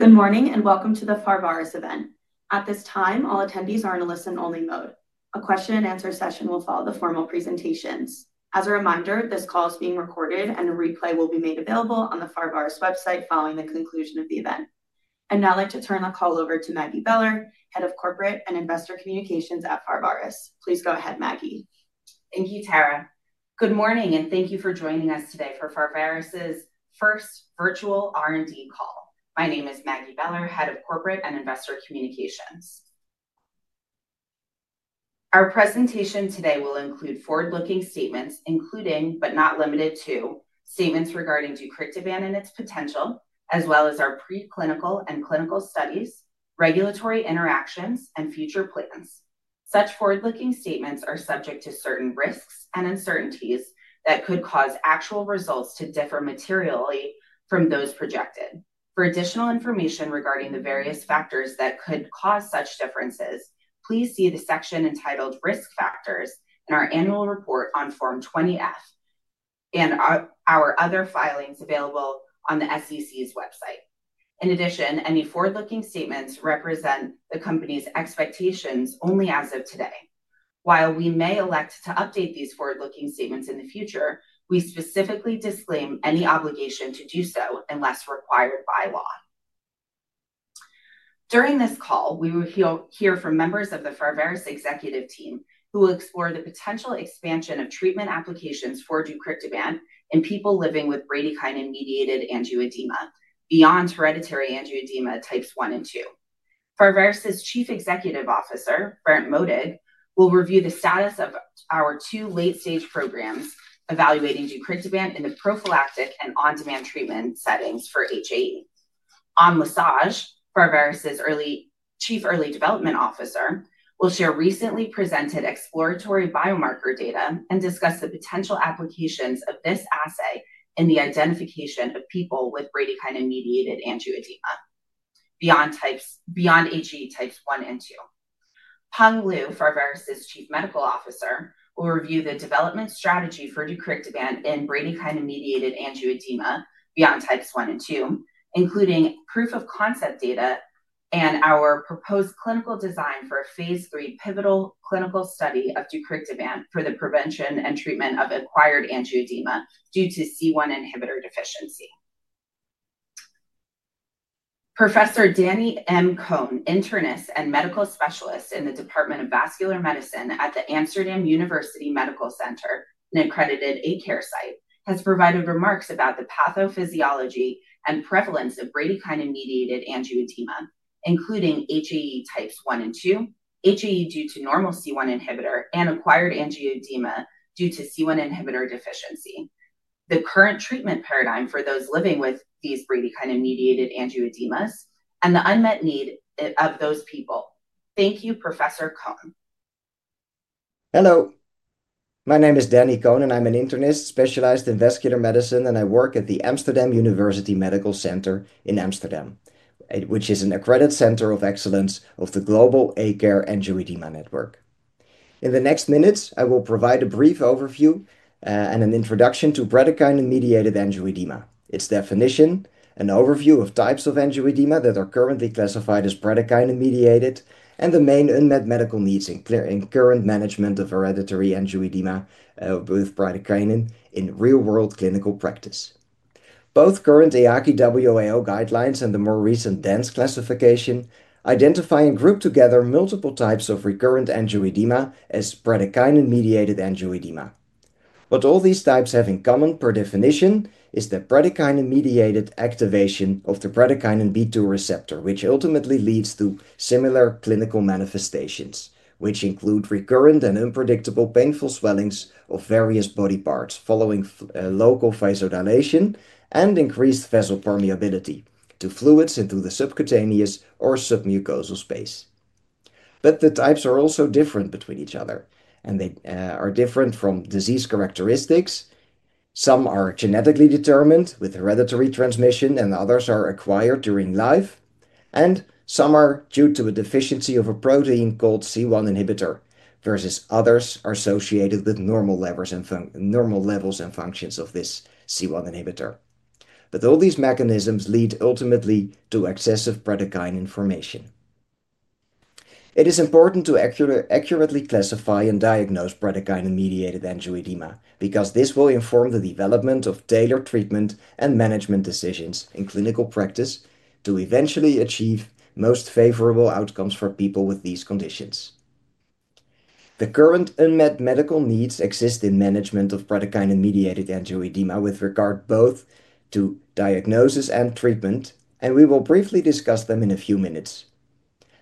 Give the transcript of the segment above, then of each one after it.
Good morning and welcome to the Pharvaris event. At this time, all attendees are in a listen-only mode. A question-and-answer session will follow the formal presentations. As a reminder, this call is being recorded, and a replay will be made available on the Pharvaris website following the conclusion of the event. I'd now like to turn the call over to Maggie Beller, Head of Corporate and Investor Communications at Pharvaris. Please go ahead, Maggie. Thank you, Tara. Good morning, and thank you for joining us today for Pharvaris' first virtual R&D call. My name is Maggie Beller, Head of Corporate and Investor Communications. Our presentation today will include forward-looking statements, including but not limited to statements regarding deucrictibant and its potential, as well as our preclinical and clinical studies, regulatory interactions, and future plans. Such forward-looking statements are subject to certain risks and uncertainties that could cause actual results to differ materially from those projected. For additional information regarding the various factors that could cause such differences, please see the section entitled Risk Factors in our annual report on Form 20-F and our other filings available on the SEC's website. In addition, any forward-looking statements represent the company's expectations only as of today. While we may elect to update these forward-looking statements in the future, we specifically disclaim any obligation to do so unless required by law. During this call, we will hear from members of the Pharvaris executive team who will explore the potential expansion of treatment applications for deucrictibant in people living with bradykinin-mediated angioedema beyond hereditary angioedema types 1 and 2. Pharvaris' Chief Executive Officer, Berndt Modig, will review the status of our two late-stage programs evaluating deucrictibant in the prophylactic and on-demand treatment settings for HAE. Anne Lesage, Pharvaris' Chief Early Development Officer, will share recently presented exploratory biomarker data and discuss the potential applications of this assay in the identification of people with bradykinin-mediated angioedema beyond HAE types 1 and 2. Peng Lu, Pharvaris' Chief Medical Officer, will review the development strategy for deucrictibant in bradykinin-mediated angioedema beyond types 1 and 2, including proof-of-concept data and our proposed clinical design for a phase III pivotal clinical study of deucrictibant for the prevention and treatment of acquired angioedema due to C1 inhibitor deficiency. Professor Danny M. Cohn, Internist and Medical Specialist in the Department of Vascular Medicine at the Amsterdam University Medical Center, an accredited ACARE site, has provided remarks about the pathophysiology and prevalence of bradykinin-mediated angioedema, including HAE types 1 and 2, HAE with normal C1 inhibitor, and acquired angioedema due to C1 inhibitor deficiency, the current treatment paradigm for those living with these bradykinin-mediated angioedemas, and the unmet need of those people. Thank you, Professor Cohn. Hello. My name is Danny Cohn, and I'm an internist specialized in vascular medicine, and I work at the Amsterdam University Medical Center in Amsterdam, which is an accredited center of excellence of the global ACARE Angioedema Network. In the next minutes, I will provide a brief overview and an introduction to bradykinin-mediated angioedema, its definition, an overview of types of angioedema that are currently classified as bradykinin-mediated, and the main unmet medical needs in current management of hereditary angioedema with bradykinin in real-world clinical practice. Both current ACARE/WAO guidelines and the more recent DANCE classification identify and group together multiple types of recurrent angioedema as bradykinin-mediated angioedema. What all these types have in common per definition is the bradykinin-mediated activation of the bradykinin B2 receptor, which ultimately leads to similar clinical manifestations, which include recurrent and unpredictable painful swellings of various body parts following local vasodilation and increased vasopermeability to fluids into the subcutaneous or submucosal space. The types are also different between each other, and they are different from disease characteristics. Some are genetically determined with hereditary transmission, and others are acquired during life. Some are due to a deficiency of a protein called C1 inhibitor, versus others are associated with normal levels and functions of this C1 inhibitor. All these mechanisms lead ultimately to excessive bradykinin formation. It is important to accurately classify and diagnose bradykinin-mediated angioedema because this will inform the development of tailored treatment and management decisions in clinical practice to eventually achieve most favorable outcomes for people with these conditions. The current unmet medical needs exist in management of bradykinin-mediated angioedema with regard both to diagnosis and treatment, and we will briefly discuss them in a few minutes.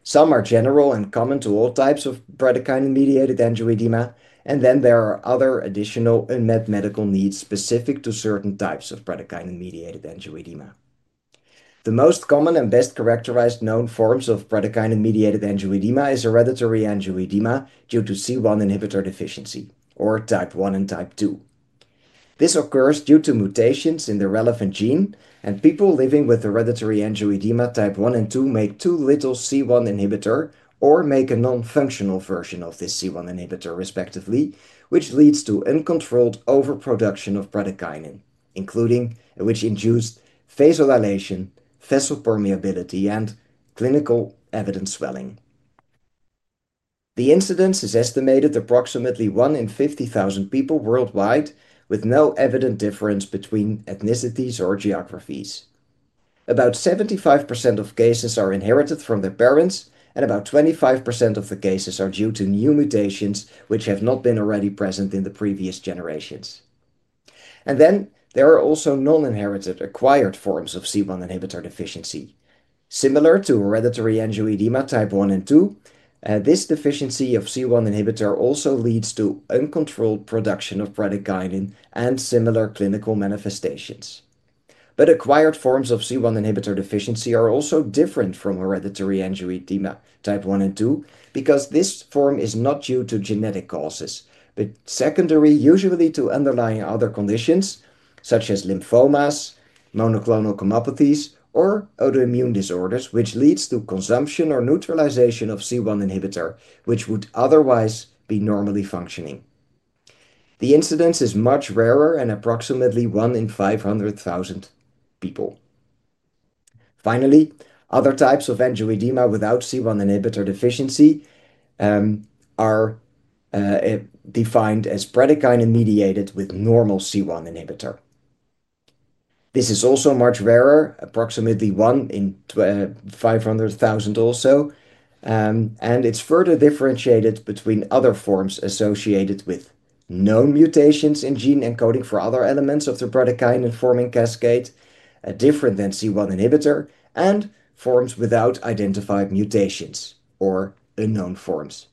Some are general and common to all types of bradykinin-mediated angioedema, and then there are other additional unmet medical needs specific to certain types of bradykinin-mediated angioedema. The most common and best characterized known forms of bradykinin-mediated angioedema is hereditary angioedema due to C1 inhibitor deficiency, or type 1 and type 2. This occurs due to mutations in the relevant gene, and people living with hereditary angioedema type 1 and 2 make too little C1 inhibitor or make a non-functional version of this C1 inhibitor, respectively, which leads to uncontrolled overproduction of bradykinin, including which induced vasodilation, vasopermeability, and clinically evident swelling. The incidence is estimated approximately 1 in 50,000 people worldwide, with no evident difference between ethnicities or geographies. About 75% of cases are inherited from their parents, and about 25% of the cases are due to new mutations which have not been already present in the previous generations. There are also non-inherited acquired forms of C1 inhibitor deficiency. Similar to hereditary angioedema type 1 and 2, this deficiency of C1 inhibitor also leads to uncontrolled production of bradykinin and similar clinical manifestations. Acquired forms of C1 inhibitor deficiency are also different from hereditary angioedema type 1 and 2 because this form is not due to genetic causes but secondary usually to underlying other conditions such as lymphomas, monoclonal gammopathies, or autoimmune disorders, which leads to consumption or neutralization of C1 inhibitor, which would otherwise be normally functioning. The incidence is much rarer and approximately 1 in 500,000 people. Finally, other types of angioedema without C1 inhibitor deficiency are defined as bradykinin-mediated with normal C1 inhibitor. This is also much rarer, approximately 1 in 500,000 or so, and it's further differentiated between other forms associated with known mutations in gene encoding for other elements of the bradykinin-forming cascade, different than C1 inhibitor, and forms without identified mutations or unknown forms.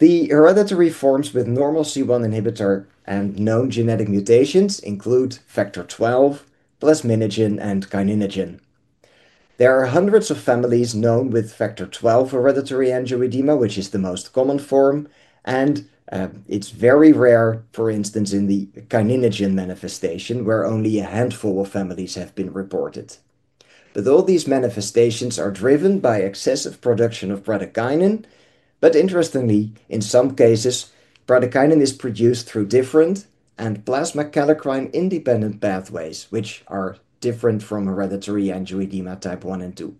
The hereditary forms with normal C1 inhibitor and known genetic mutations include factor XII, plasminogen, and kininogen. There are hundreds of families known with factor XII hereditary angioedema, which is the most common form, and it's very rare, for instance, in the kininogen manifestation, where only a handful of families have been reported. All these manifestations are driven by excessive production of bradykinin. Interestingly, in some cases, bradykinin is produced through different and plasma kallikrein-independent pathways, which are different from hereditary angioedema type 1 and 2.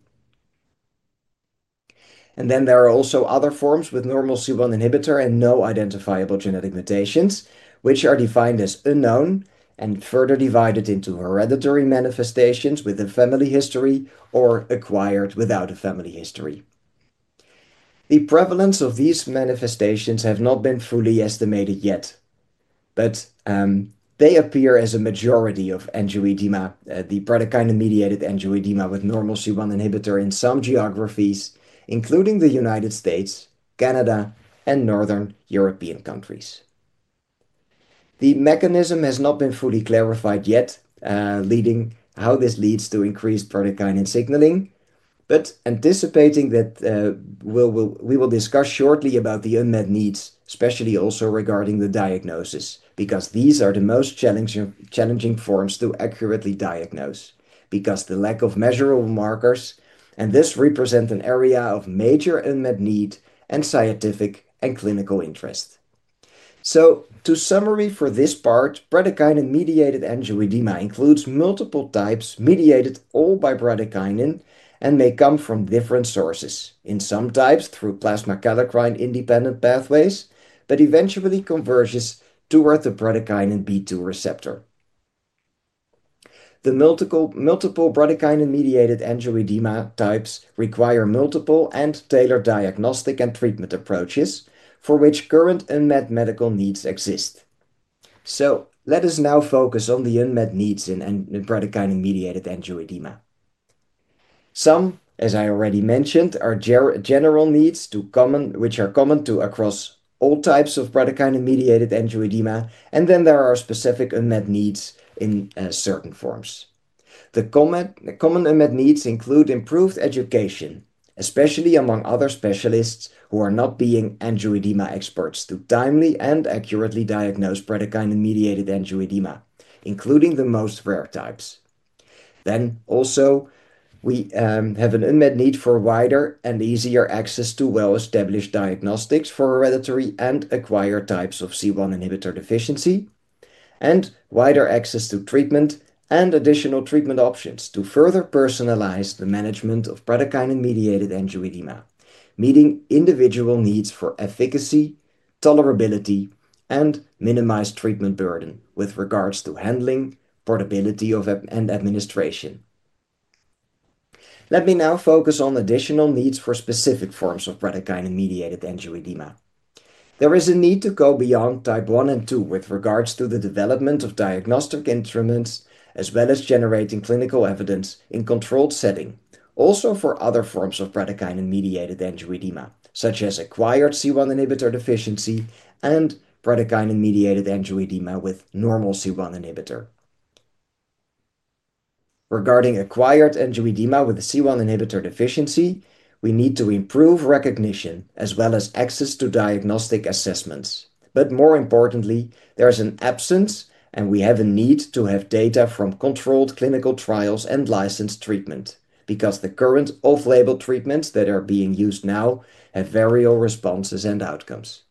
There are also other forms with normal C1 inhibitor and no identifiable genetic mutations, which are defined as unknown and further divided into hereditary manifestations with a family history or acquired without a family history. The prevalence of these manifestations has not been fully estimated yet, but they appear as a majority of angioedema, the bradykinin-mediated angioedema with normal C1 inhibitor in some geographies, including the United States, Canada, and Northern European countries. The mechanism has not been fully clarified yet, leading to how this leads to increased bradykinin signaling, but anticipating that we will discuss shortly about the unmet needs, especially also regarding the diagnosis, because these are the most challenging forms to accurately diagnose because of the lack of measurable markers, and this represents an area of major unmet need and scientific and clinical interest. To summarize for this part, bradykinin-mediated angioedema includes multiple types mediated all by bradykinin and may come from different sources, in some types through plasma kallikrein-independent pathways, but eventually converges toward the bradykinin B2 receptor. The multiple bradykinin-mediated angioedema types require multiple and tailored diagnostic and treatment approaches for which current unmet medical needs exist. Let us now focus on the unmet needs in bradykinin-mediated angioedema. Some, as I already mentioned, are general needs which are common to across all types of bradykinin-mediated angioedema, and then there are specific unmet needs in certain forms. The common unmet needs include improved education, especially among other specialists who are not being angioedema experts to timely and accurately diagnose bradykinin-mediated angioedema, including the most rare types. Then also, we have an unmet need for wider and easier access to well-established diagnostics for hereditary and acquired types of C1 inhibitor deficiency, and wider access to treatment and additional treatment options to further personalize the management of bradykinin-mediated angioedema, meeting individual needs for efficacy, tolerability, and minimized treatment burden with regards to handling, portability, and administration. Let me now focus on additional needs for specific forms of bradykinin-mediated angioedema. There is a need to go beyond type 1 and 2 with regards to the development of diagnostic instruments as well as generating clinical evidence in controlled setting, also for other forms of bradykinin-mediated angioedema, such as acquired C1 inhibitor deficiency and bradykinin-mediated angioedema with normal C1 inhibitor. Regarding acquired angioedema with a C1 inhibitor deficiency, we need to improve recognition as well as access to diagnostic assessments. More importantly, there is an absence, and we have a need to have data from controlled clinical trials and licensed treatment because the current off-label treatments that are being used now have very low responses and outcomes.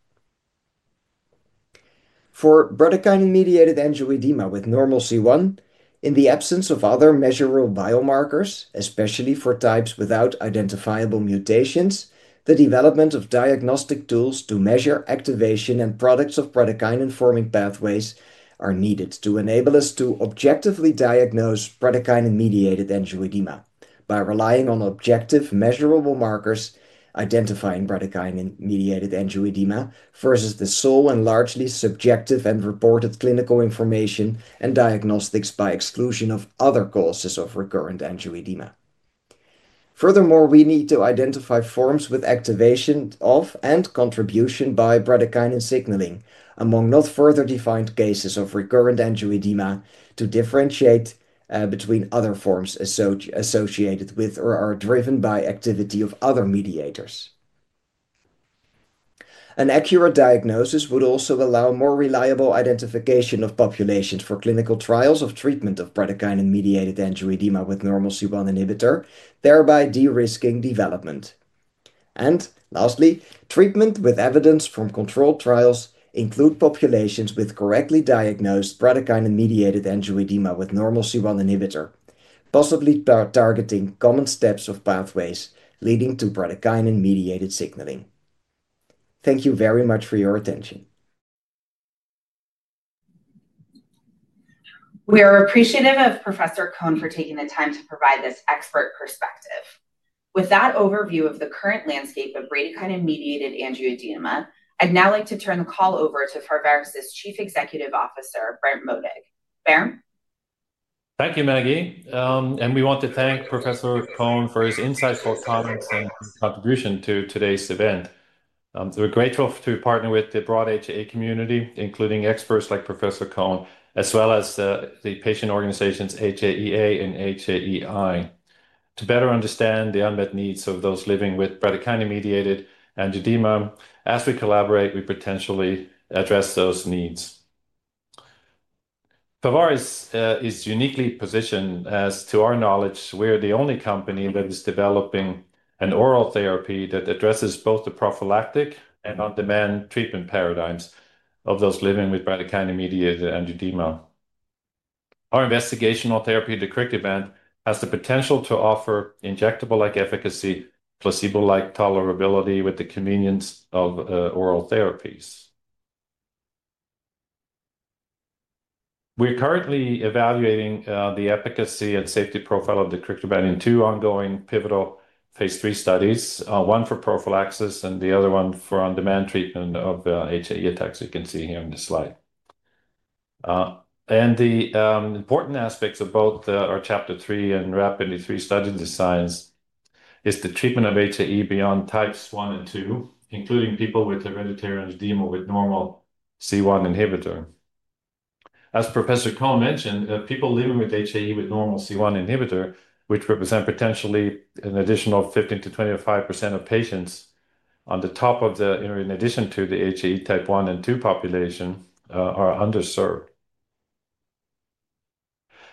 For bradykinin-mediated angioedema with normal C1, in the absence of other measurable biomarkers, especially for types without identifiable mutations, the development of diagnostic tools to measure activation and products of bradykinin-forming pathways is needed to enable us to objectively diagnose bradykinin-mediated angioedema by relying on objective measurable markers identifying bradykinin-mediated angioedema versus the sole and largely subjective and reported clinical information and diagnostics by exclusion of other causes of recurrent angioedema. Furthermore, we need to identify forms with activation of and contribution by bradykinin signaling among not further defined cases of recurrent angioedema to differentiate between other forms associated with or are driven by activity of other mediators. An accurate diagnosis would also allow more reliable identification of populations for clinical trials of treatment of bradykinin-mediated angioedema with normal C1 inhibitor, thereby de-risking development. Lastly, treatment with evidence from controlled trials includes populations with correctly diagnosed bradykinin-mediated angioedema with normal C1 inhibitor, possibly targeting common steps of pathways leading to bradykinin-mediated signaling. Thank you very much for your attention. We are appreciative of Professor Cohn for taking the time to provide this expert perspective. With that overview of the current landscape of bradykinin-mediated angioedema, I'd now like to turn the call over to Pharvaris' Chief Executive Officer, Berndt Modig. Berndt? Thank you, Maggie. We want to thank Professor Cohn for his insightful comments and contribution to today's event. We're grateful to partner with the broad HAE community, including experts like Professor Cohn, as well as the patient organizations HAEA and HAEI, to better understand the unmet needs of those living with bradykinin-mediated angioedema. As we collaborate, we potentially address those needs. Pharvaris is uniquely positioned as, to our knowledge, we're the only company that is developing an oral therapy that addresses both the prophylactic and on-demand treatment paradigms of those living with bradykinin-mediated angioedema. Our investigational therapy, deucrictibant, has the potential to offer injectable-like efficacy, placebo-like tolerability with the convenience of oral therapies. We're currently evaluating the efficacy and safety profile of deucrictibant in two ongoing pivotal phase III studies, one for prophylaxis and the other one for on-demand treatment of HAE attacks you can see here on the slide. The important aspects of both our CHAPTER-3 and RAPIDe-3 study designs is the treatment of HAE beyond types 1 and 2, including people with hereditary angioedema with normal C1 inhibitor. As Professor Cohn mentioned, people living with HAE with normal C1 inhibitor, which represent potentially an additional 15%-25% of patients on top of the, in addition to the HAE type 1 and 2 population, are underserved.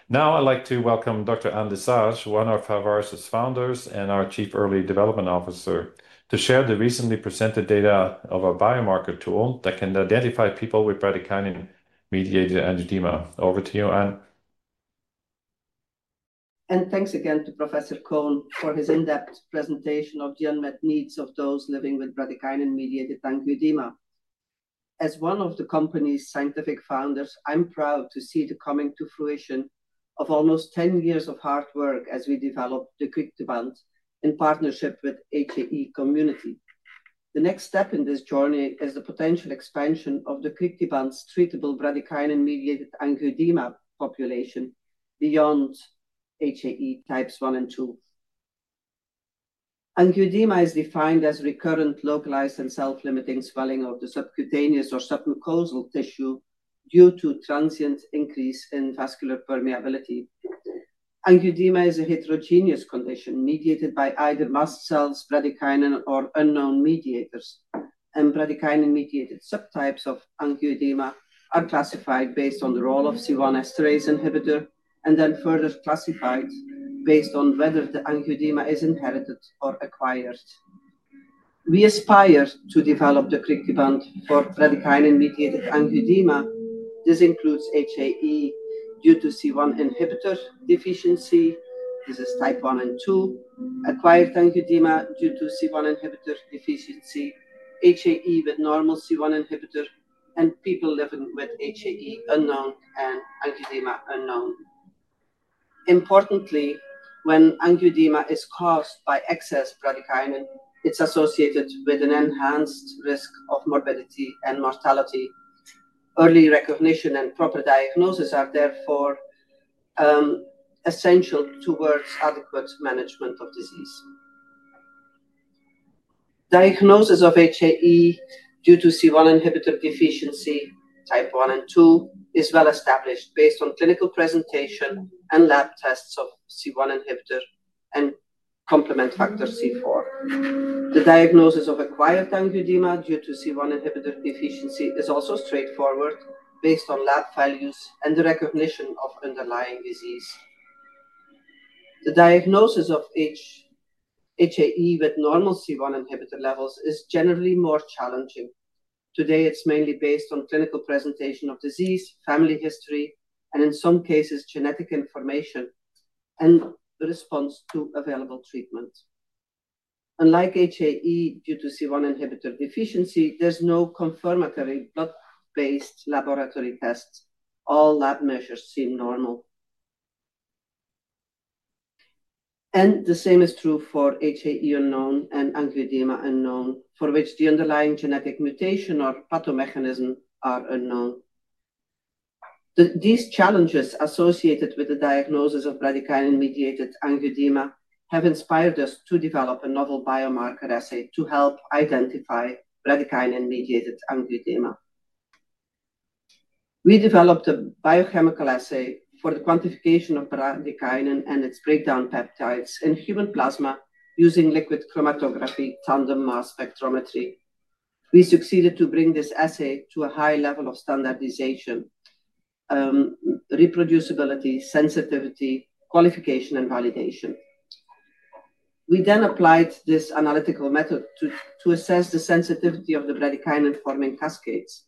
Now, I'd like to welcome Dr. Anne Lesage, one of Pharvaris' founders and our Chief Early Development Officer, to share the recently presented data of a biomarker tool that can identify people with bradykinin-mediated angioedema. Over to you, Anne. Thank you again to Professor Cohn for his in-depth presentation of the unmet needs of those living with bradykinin-mediated angioedema. As one of the company's scientific founders, I'm proud to see the coming to fruition of almost 10 years of hard work as we develop deucrictibant in partnership with the HAE community. The next step in this journey is the potential expansion of deucrictibant's treatable bradykinin-mediated angioedema population beyond HAE types 1 and 2. Angioedema is defined as recurrent, localized, and self-limiting swelling of the subcutaneous or submucosal tissue due to transient increase in vascular permeability. Angioedema is a heterogeneous condition mediated by either mast cells, bradykinin, or unknown mediators, and bradykinin-mediated subtypes of angioedema are classified based on the role of C1 inhibitor and then further classified based on whether the angioedema is inherited or acquired. We aspire to develop deucrictibant for bradykinin-mediated angioedema. This includes HAE due to C1 inhibitor deficiency. This is type one and two, acquired angioedema due to C1 inhibitor deficiency, HAE with normal C1 inhibitor, and people living with HAE unknown and angioedema unknown. Importantly, when angioedema is caused by excess bradykinin, it's associated with an enhanced risk of morbidity and mortality. Early recognition and proper diagnosis are therefore essential towards adequate management of disease. Diagnosis of HAE due to C1 inhibitor deficiency type one and two is well established based on clinical presentation and lab tests of C1 inhibitor and complement factor C4. The diagnosis of acquired angioedema due to C1 inhibitor deficiency is also straightforward based on lab values and the recognition of underlying disease. The diagnosis of HAE with normal C1 inhibitor levels is generally more challenging. Today, it's mainly based on clinical presentation of disease, family history, and in some cases, genetic information and response to available treatment. Unlike HAE due to C1 inhibitor deficiency, there's no confirmatory blood-based laboratory tests. All lab measures seem normal. The same is true for HAE unknown and angioedema unknown, for which the underlying genetic mutation or pathomechanism are unknown. These challenges associated with the diagnosis of bradykinin-mediated angioedema have inspired us to develop a novel biomarker assay to help identify bradykinin-mediated angioedema. We developed a biochemical assay for the quantification of bradykinin and its breakdown peptides in human plasma using liquid chromatography-tandem mass spectrometry. We succeeded to bring this assay to a high level of standardization, reproducibility, sensitivity, qualification, and validation. We then applied this analytical method to assess the sensitivity of the bradykinin-forming cascades.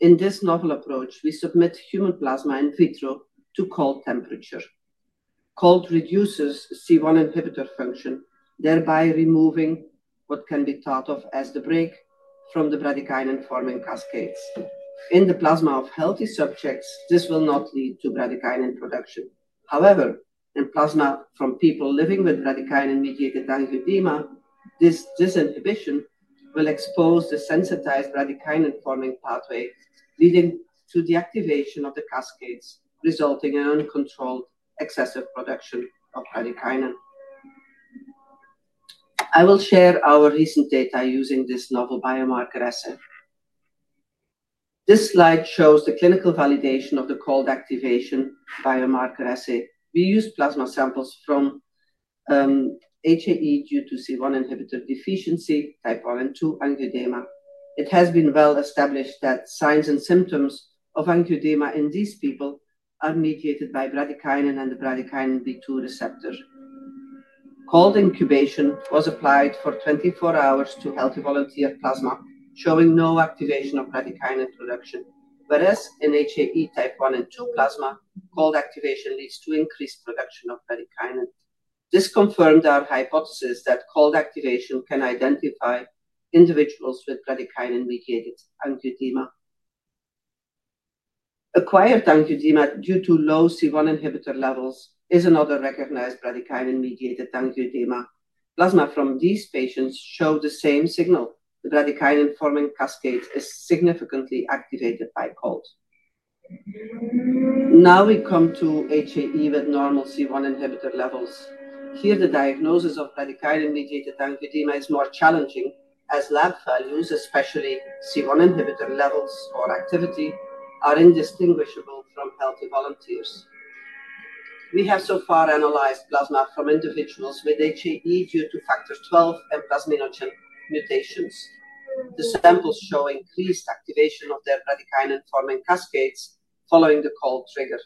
In this novel approach, we submit human plasma in vitro to cold temperature. Cold reduces C1 inhibitor function, thereby removing what can be thought of as the brake from the bradykinin-forming cascades. In the plasma of healthy subjects, this will not lead to bradykinin production. However, in plasma from people living with bradykinin-mediated angioedema, this disinhibition will expose the sensitized bradykinin-forming pathway, leading to the activation of the cascades, resulting in uncontrolled excessive production of bradykinin. I will share our recent data using this novel biomarker assay. This slide shows the clinical validation of the cold activation biomarker assay. We used plasma samples from HAE due to C1 inhibitor deficiency type 1 and 2 angioedema. It has been well established that signs and symptoms of angioedema in these people are mediated by bradykinin and the bradykinin B2 receptor. Cold incubation was applied for 24 hours to healthy volunteer plasma, showing no activation of bradykinin production, whereas in HAE type 1 and 2 plasma, cold activation leads to increased production of bradykinin. This confirmed our hypothesis that cold activation can identify individuals with bradykinin-mediated angioedema. Acquired angioedema due to low C1 inhibitor levels is another recognized bradykinin-mediated angioedema. Plasma from these patients showed the same signal. The bradykinin-forming cascades are significantly activated by cold. Now we come to HAE with normal C1 inhibitor levels. Here, the diagnosis of bradykinin-mediated angioedema is more challenging as lab values, especially C1 inhibitor levels or activity, are indistinguishable from healthy volunteers. We have so far analyzed plasma from individuals with HAE due to factor XII and plasminogen mutations. The samples show increased activation of their bradykinin-forming cascades following the cold trigger.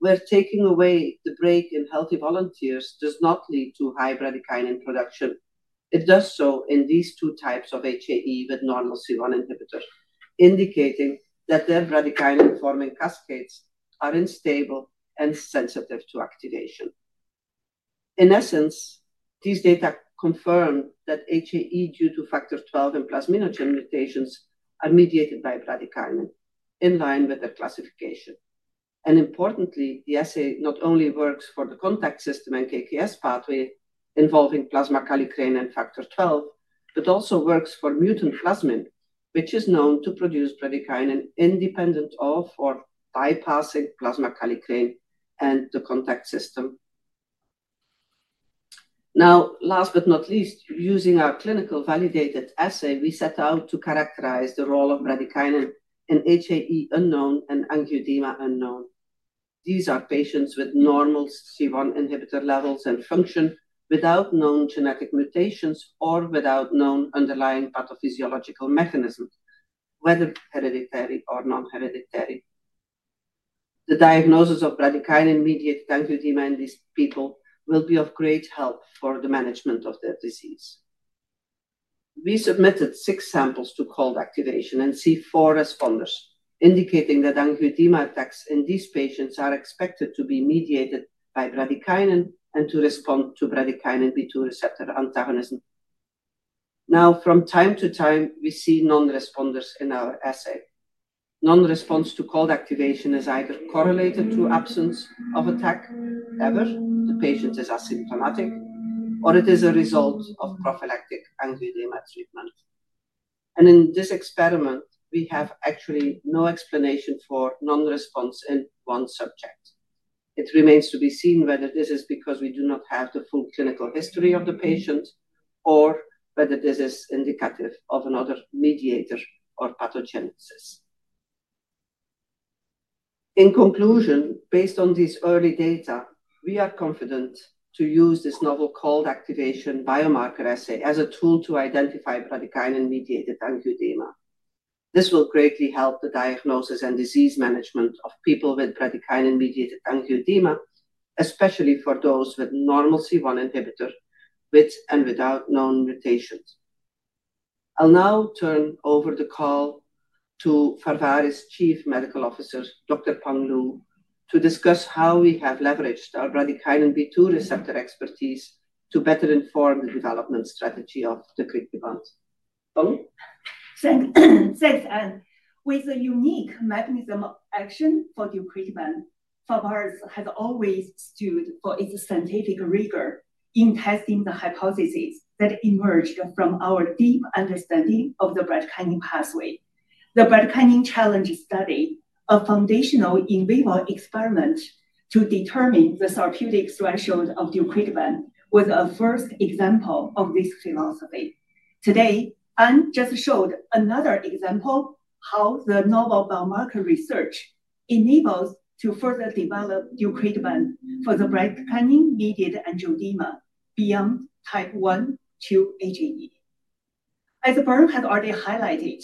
We're taking away the break in healthy volunteers does not lead to high bradykinin production. It does so in these two types of HAE with normal C1 inhibitor, indicating that their bradykinin-forming cascades are unstable and sensitive to activation. In essence, these data confirm that HAE due to factor XII and plasminogen mutations are mediated by bradykinin in line with their classification. Importantly, the assay not only works for the contact system and KKS pathway involving plasma kallikrein and factor XII, but also works for mutant plasmin, which is known to produce bradykinin independent of or bypassing plasma kallikrein and the contact system. Last but not least, using our clinically validated assay, we set out to characterize the role of bradykinin in HAE unknown and angioedema unknown. These are patients with normal C1 inhibitor levels and function without known genetic mutations or without known underlying pathophysiological mechanism, whether hereditary or non-hereditary. The diagnosis of bradykinin-mediated angioedema in these people will be of great help for the management of their disease. We submitted six samples to cold activation and see four responders, indicating that angioedema attacks in these patients are expected to be mediated by bradykinin and to respond to bradykinin B2 receptor antagonism. Now, from time to time, we see non-responders in our assay. Non-response to cold activation is either correlated to absence of attack, ever, the patient is asymptomatic, or it is a result of prophylactic angioedema treatment. In this experiment, we have actually no explanation for non-response in one subject. It remains to be seen whether this is because we do not have the full clinical history of the patient or whether this is indicative of another mediator or pathogenesis. In conclusion, based on these early data, we are confident to use this novel cold activation biomarker assay as a tool to identify bradykinin-mediated angioedema. This will greatly help the diagnosis and disease management of people with bradykinin-mediated angioedema, especially for those with normal C1 inhibitor with and without known mutations. I'll now turn over the call to Pharvaris' Chief Medical Officer, Dr. Peng Lu, to discuss how we have leveraged our bradykinin B2 receptor expertise to better inform the development strategy of deucrictibant. Thanks. Thanks, Anne. With a unique mechanism of action for the deucrictibant, Pharvaris has always stood for its scientific rigor in testing the hypotheses that emerged from our deep understanding of the bradykinin pathway. The bradykinin challenge study, a foundational in vivo experiment to determine the therapeutic threshold of the deucrictibant, was a first example of this philosophy. Today, Anne just showed another example of how the novel biomarker research enables us to further develop the deucrictibant for the bradykinin-mediated angioedema beyond type 1 to HAE. As Berndt had already highlighted,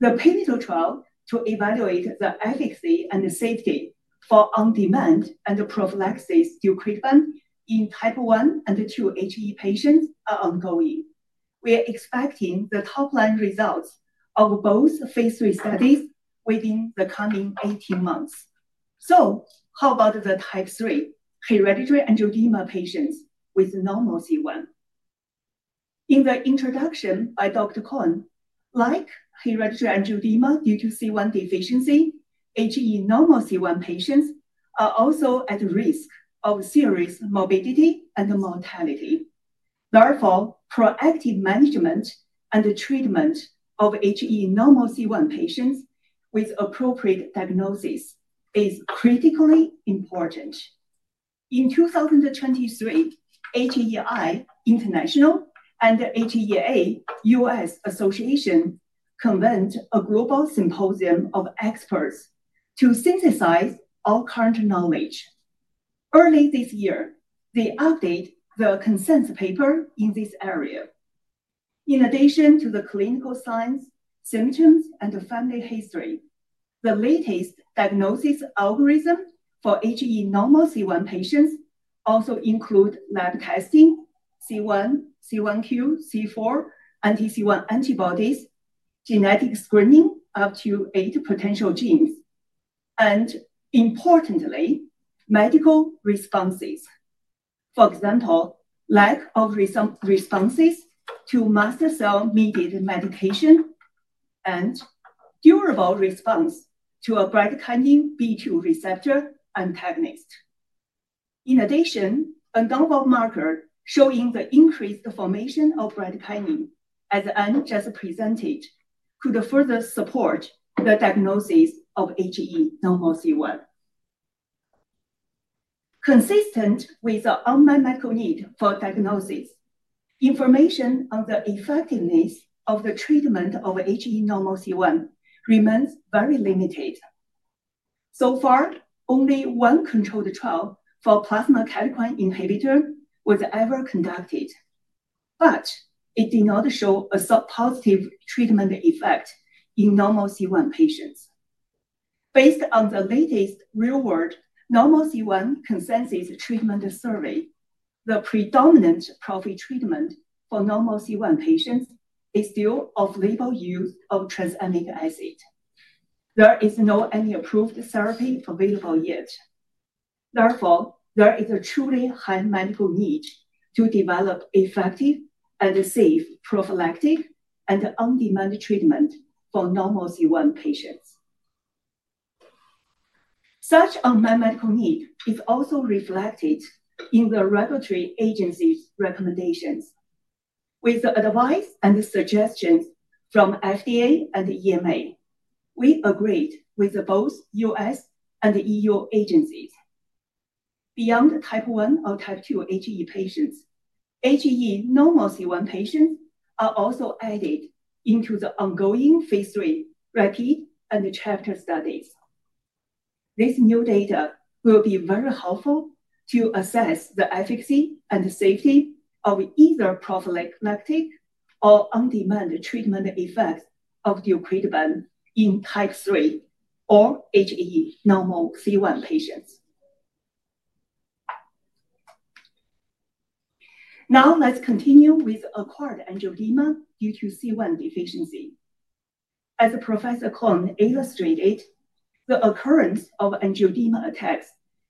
the pivotal trial to evaluate the efficacy and the safety for on-demand and prophylaxis to deucrictibant in type 1 and 2 HAE patients is ongoing. We are expecting the top-line results of both phase III studies within the coming 18 months. How about the type 3 hereditary angioedema patients with normal C1? In the introduction by Dr. Cohn, like hereditary angioedema due to C1 inhibitor deficiency, HAE with normal C1 inhibitor patients are also at risk of serious morbidity and mortality. Therefore, proactive management and treatment of HAE with normal C1 inhibitor patients with appropriate diagnosis is critically important. In 2023, HAE International and HAEA convened a global symposium of experts to synthesize all current knowledge. Early this year, they updated the consensus paper in this area. In addition to the clinical signs, symptoms, and family history, the latest diagnostic algorithm for HAE with normal C1 inhibitor patients also includes lab testing, C1, C1q, C4, Anti-C1 antibodies, genetic screening up to eight potential genes, and importantly, medication responses. For example, lack of response to mast cell-mediated medication and durable response to a bradykinin B2 receptor antagonist. In addition, a novel marker showing the increased formation of bradykinin, as Anne just presented, could further support the diagnosis of HAE with normal C1 inhibitor. Consistent with the unmet medical need for diagnosis, information on the effectiveness of the treatment of HAE normal C1 remains very limited. So far, only one controlled trial for plasma kallikrein inhibitor was ever conducted, but it did not show a sub-positive treatment effect in normal C1 patients. Based on the latest real-world normal C1 consensus treatment survey, the predominant prophylactic treatment for normal C1 patients is still off-label use of tranexamic acid. There is no approved therapy available yet. Therefore, there is a truly high medical need to develop effective and safe prophylactic and on-demand treatment for normal C1 patients. Such unmet medical need is also reflected in the regulatory agency's recommendations. With the advice and suggestions from FDA and EMA, we agreed with both U.S. and EU agencies. Beyond type one or type two HAE patients, HAE normal C1 patients are also added into the ongoing phase III RAPIDe-3 and CHAPTER-3 studies. This new data will be very helpful to assess the efficacy and safety of either prophylactic or on-demand treatment effects of the deucrictibant in type three or HAE normal C1 patients. Now let's continue with acquired angioedema due to C1 deficiency. As Professor Cohn illustrated, the occurrence of angioedema attacks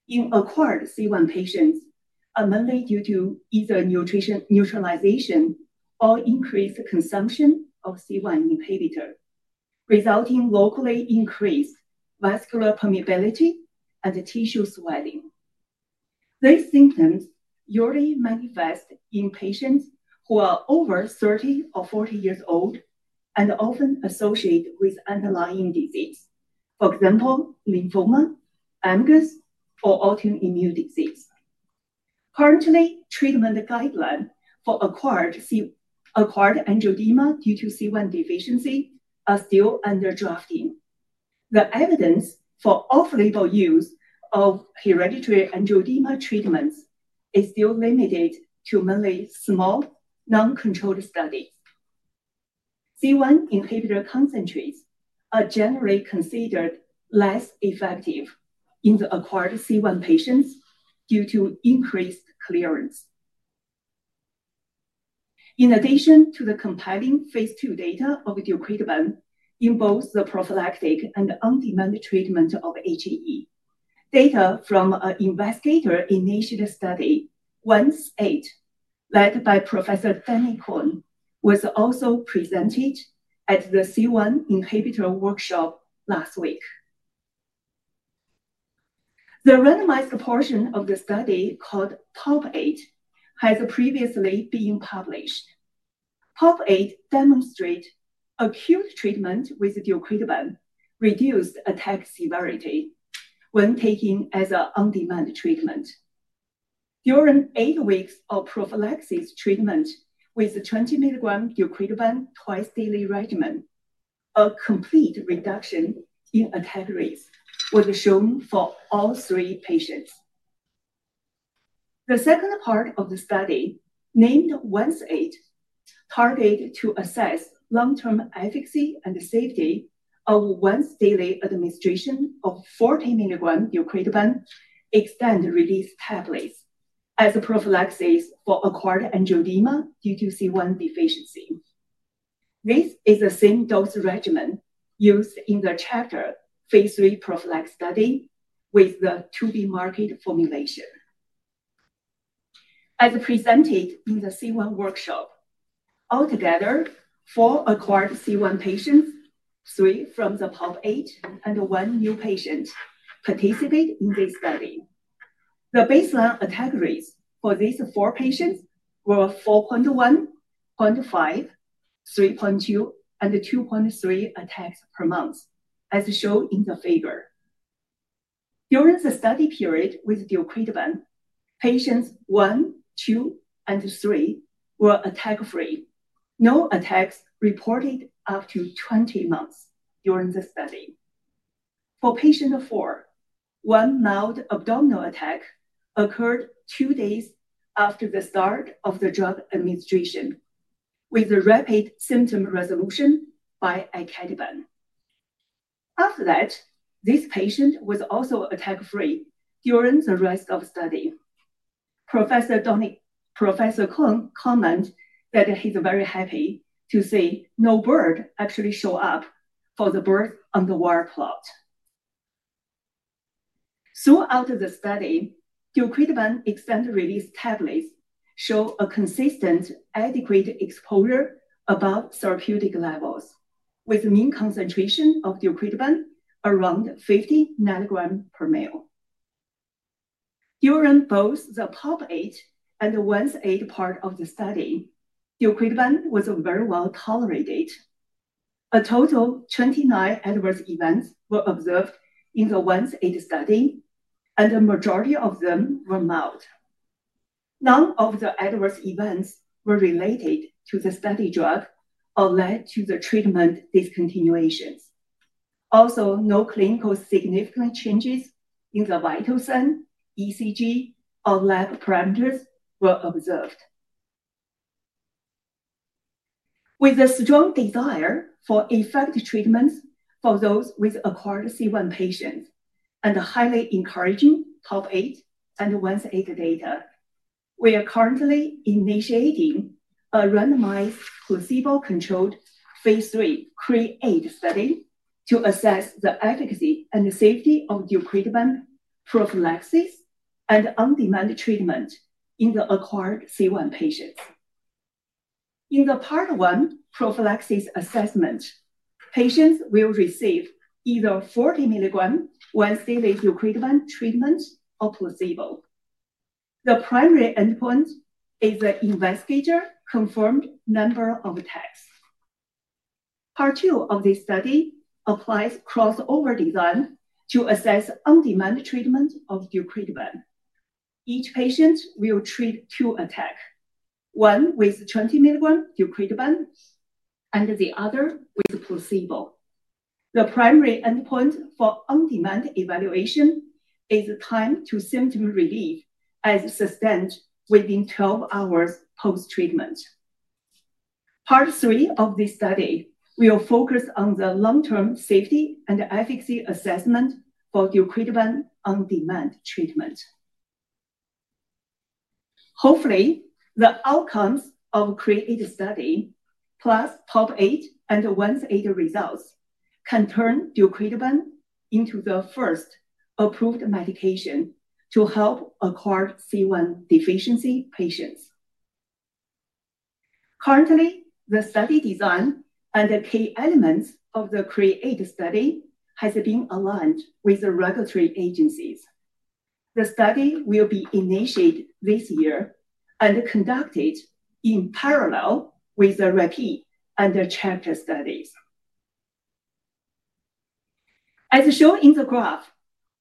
in acquired C1 patients are mainly due to either neutralization or increased consumption of C1 inhibitor, resulting in locally increased vascular permeability and tissue swelling. These symptoms usually manifest in patients who are over 30 or 40 years old and often associated with underlying disease, for example, lymphoma, MGUS, or autoimmune disease. Currently, treatment guidelines for acquired angioedema due to C1 deficiency are still under drafting. The evidence for off-label use of hereditary angioedema treatments is still limited to mainly small non-controlled studies. C1 inhibitor concentrates are generally considered less effective in the acquired C1 patients due to increased clearance. In addition to the compiling phase II data of the deucrictibant in both the prophylactic and on-demand treatment of HAE, data from an investigator-initiated study, ONCE-AID, led by Professor Danny Cohn, was also presented at the C1 inhibitor workshop last week. The randomized portion of the study called POP-AID has previously been published. POP-AID demonstrates acute treatment with the deucrictibant reduced attack severity when taken as an on-demand treatment. During eight weeks of prophylaxis treatment with 20 mg of deucrictibant twice-daily regimen, a complete reduction in attack rates was shown for all three patients. The second part of the study, named ONCE-AID, targeted to assess long-term efficacy and safety of once-daily administration of 40 mg of deucrictibant extended-release tablets as a prophylaxis for acquired angioedema due to C1 inhibitor deficiency. This is the same dose regimen used in the CHAPTER-3 phase III prophylaxis study with the to-be-market formulation. As presented in the C1 workshop, altogether, four acquired C1 inhibitor patients, three from the POP-AID, and one new patient participated in this study. The baseline attack rates for these four patients were 4.1, 0.5, 3.2, and 2.3 attacks per month, as shown in the figure. During the study period with the deucrictibant, patients one, two, and three were attack-free. No attacks reported up to 20 months during the study. For patient four, one mild abdominal attack occurred two days after the start of the drug administration, with rapid symptom resolution by icatibant. After that, this patient was also attack-free during the rest of the study. Professor Cohn commented that he's very happy to see no birth actually show up for the birth on the wire plot. Throughout the study, the deucrictibant extended-release tablets show a consistent adequate exposure above therapeutic levels, with a mean concentration of the deucrictibant around 50 ng per mL. During both the POP-AID and the ONCE-AID part of the study, the deucrictibant was very well tolerated. A total of 29 adverse events were observed in the ONCE-AID study, and the majority of them were mild. None of the adverse events were related to the study drug or led to the treatment discontinuations. Also, no clinically significant changes in the vital sign, ECG, or lab parameters were observed. With a strong desire for effective treatments for those with acquired C1 patients and highly encouraging POP-AID and ONCE-AID data, we are currently initiating a randomized placebo-controlled phase III CREAATE study to assess the efficacy and safety of the deucrictibant prophylaxis and on-demand treatment in the acquired C1 patients. In the part one prophylaxis assessment, patients will receive either 40 mg once-daily deucrictibant treatment or placebo. The primary endpoint is the investigator-confirmed number of attacks. Part two of this study applies crossover design to assess on-demand treatment of the deucrictibant. Each patient will treat two attacks, one with 20 mg of deucrictibant and the other with placebo. The primary endpoint for on-demand evaluation is time to symptom relief as sustained within 12 hours post-treatment. Part three of this study will focus on the long-term safety and efficacy assessment for the deucrictibant on-demand treatment. Hopefully, the outcomes of the CREAATE study, plus POP-AID and ONCE-AID results, can turn deucrictibant into the first approved medication to help acquired C1 inhibitor deficiency patients. Currently, the study design and key elements of the CREAATE study have been aligned with the regulatory agencies. The study will be initiated this year and conducted in parallel with the RAPIDe-3 and the CHAPTER-3 studies. As shown in the graph,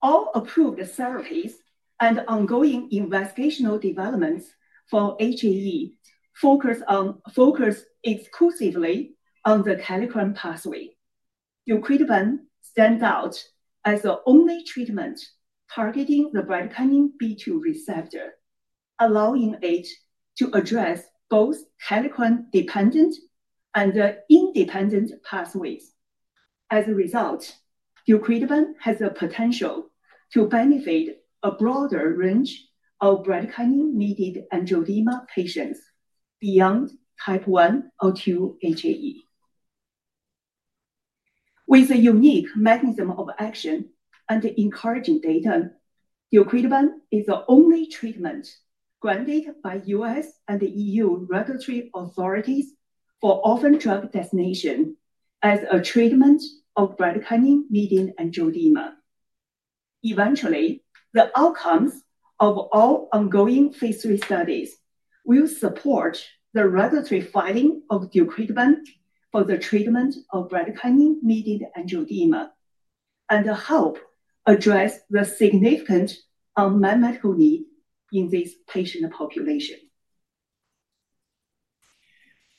all approved therapies and ongoing investigational developments for HAE focus exclusively on the kallikrein pathway. Deucrictibant stands out as the only treatment targeting the bradykinin B2 receptor, allowing it to address both kallikrein-dependent and independent pathways. As a result, deucrictibant has the potential to benefit a broader range of bradykinin-mediated angioedema patients beyond type 1 or 2 HAE. With a unique mechanism of action and encouraging data, deucrictibant is the only treatment granted by U.S. and EU regulatory authorities for off-and-drug destination as a treatment of bradykinin-mediated angioedema. Eventually, the outcomes of all ongoing phase III studies will support the regulatory filing of deucrictibant for the treatment of bradykinin-mediated angioedema and help address the significant unmet medical need in this patient population.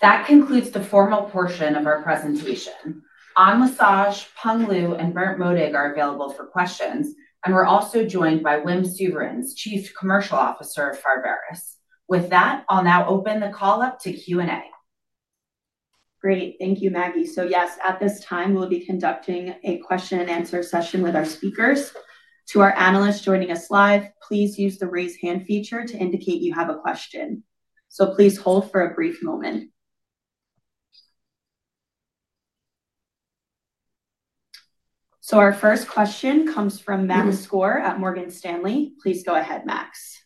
That concludes the formal portion of our presentation. Anne Lesage, Peng Lu, and Berndt Modig are available for questions, and we're also joined by Wim Severans, Chief Commercial Officer of Pharvaris. With that, I'll now open the call up to Q&A. Great. Thank you, Maggie. Yes, at this time, we'll be conducting a question-and-answer session with our speakers. To our analysts joining us live, please use the raise hand feature to indicate you have a question. Please hold for a brief moment. Our first question comes from Max Skor at Morgan Stanley. Please go ahead, Max.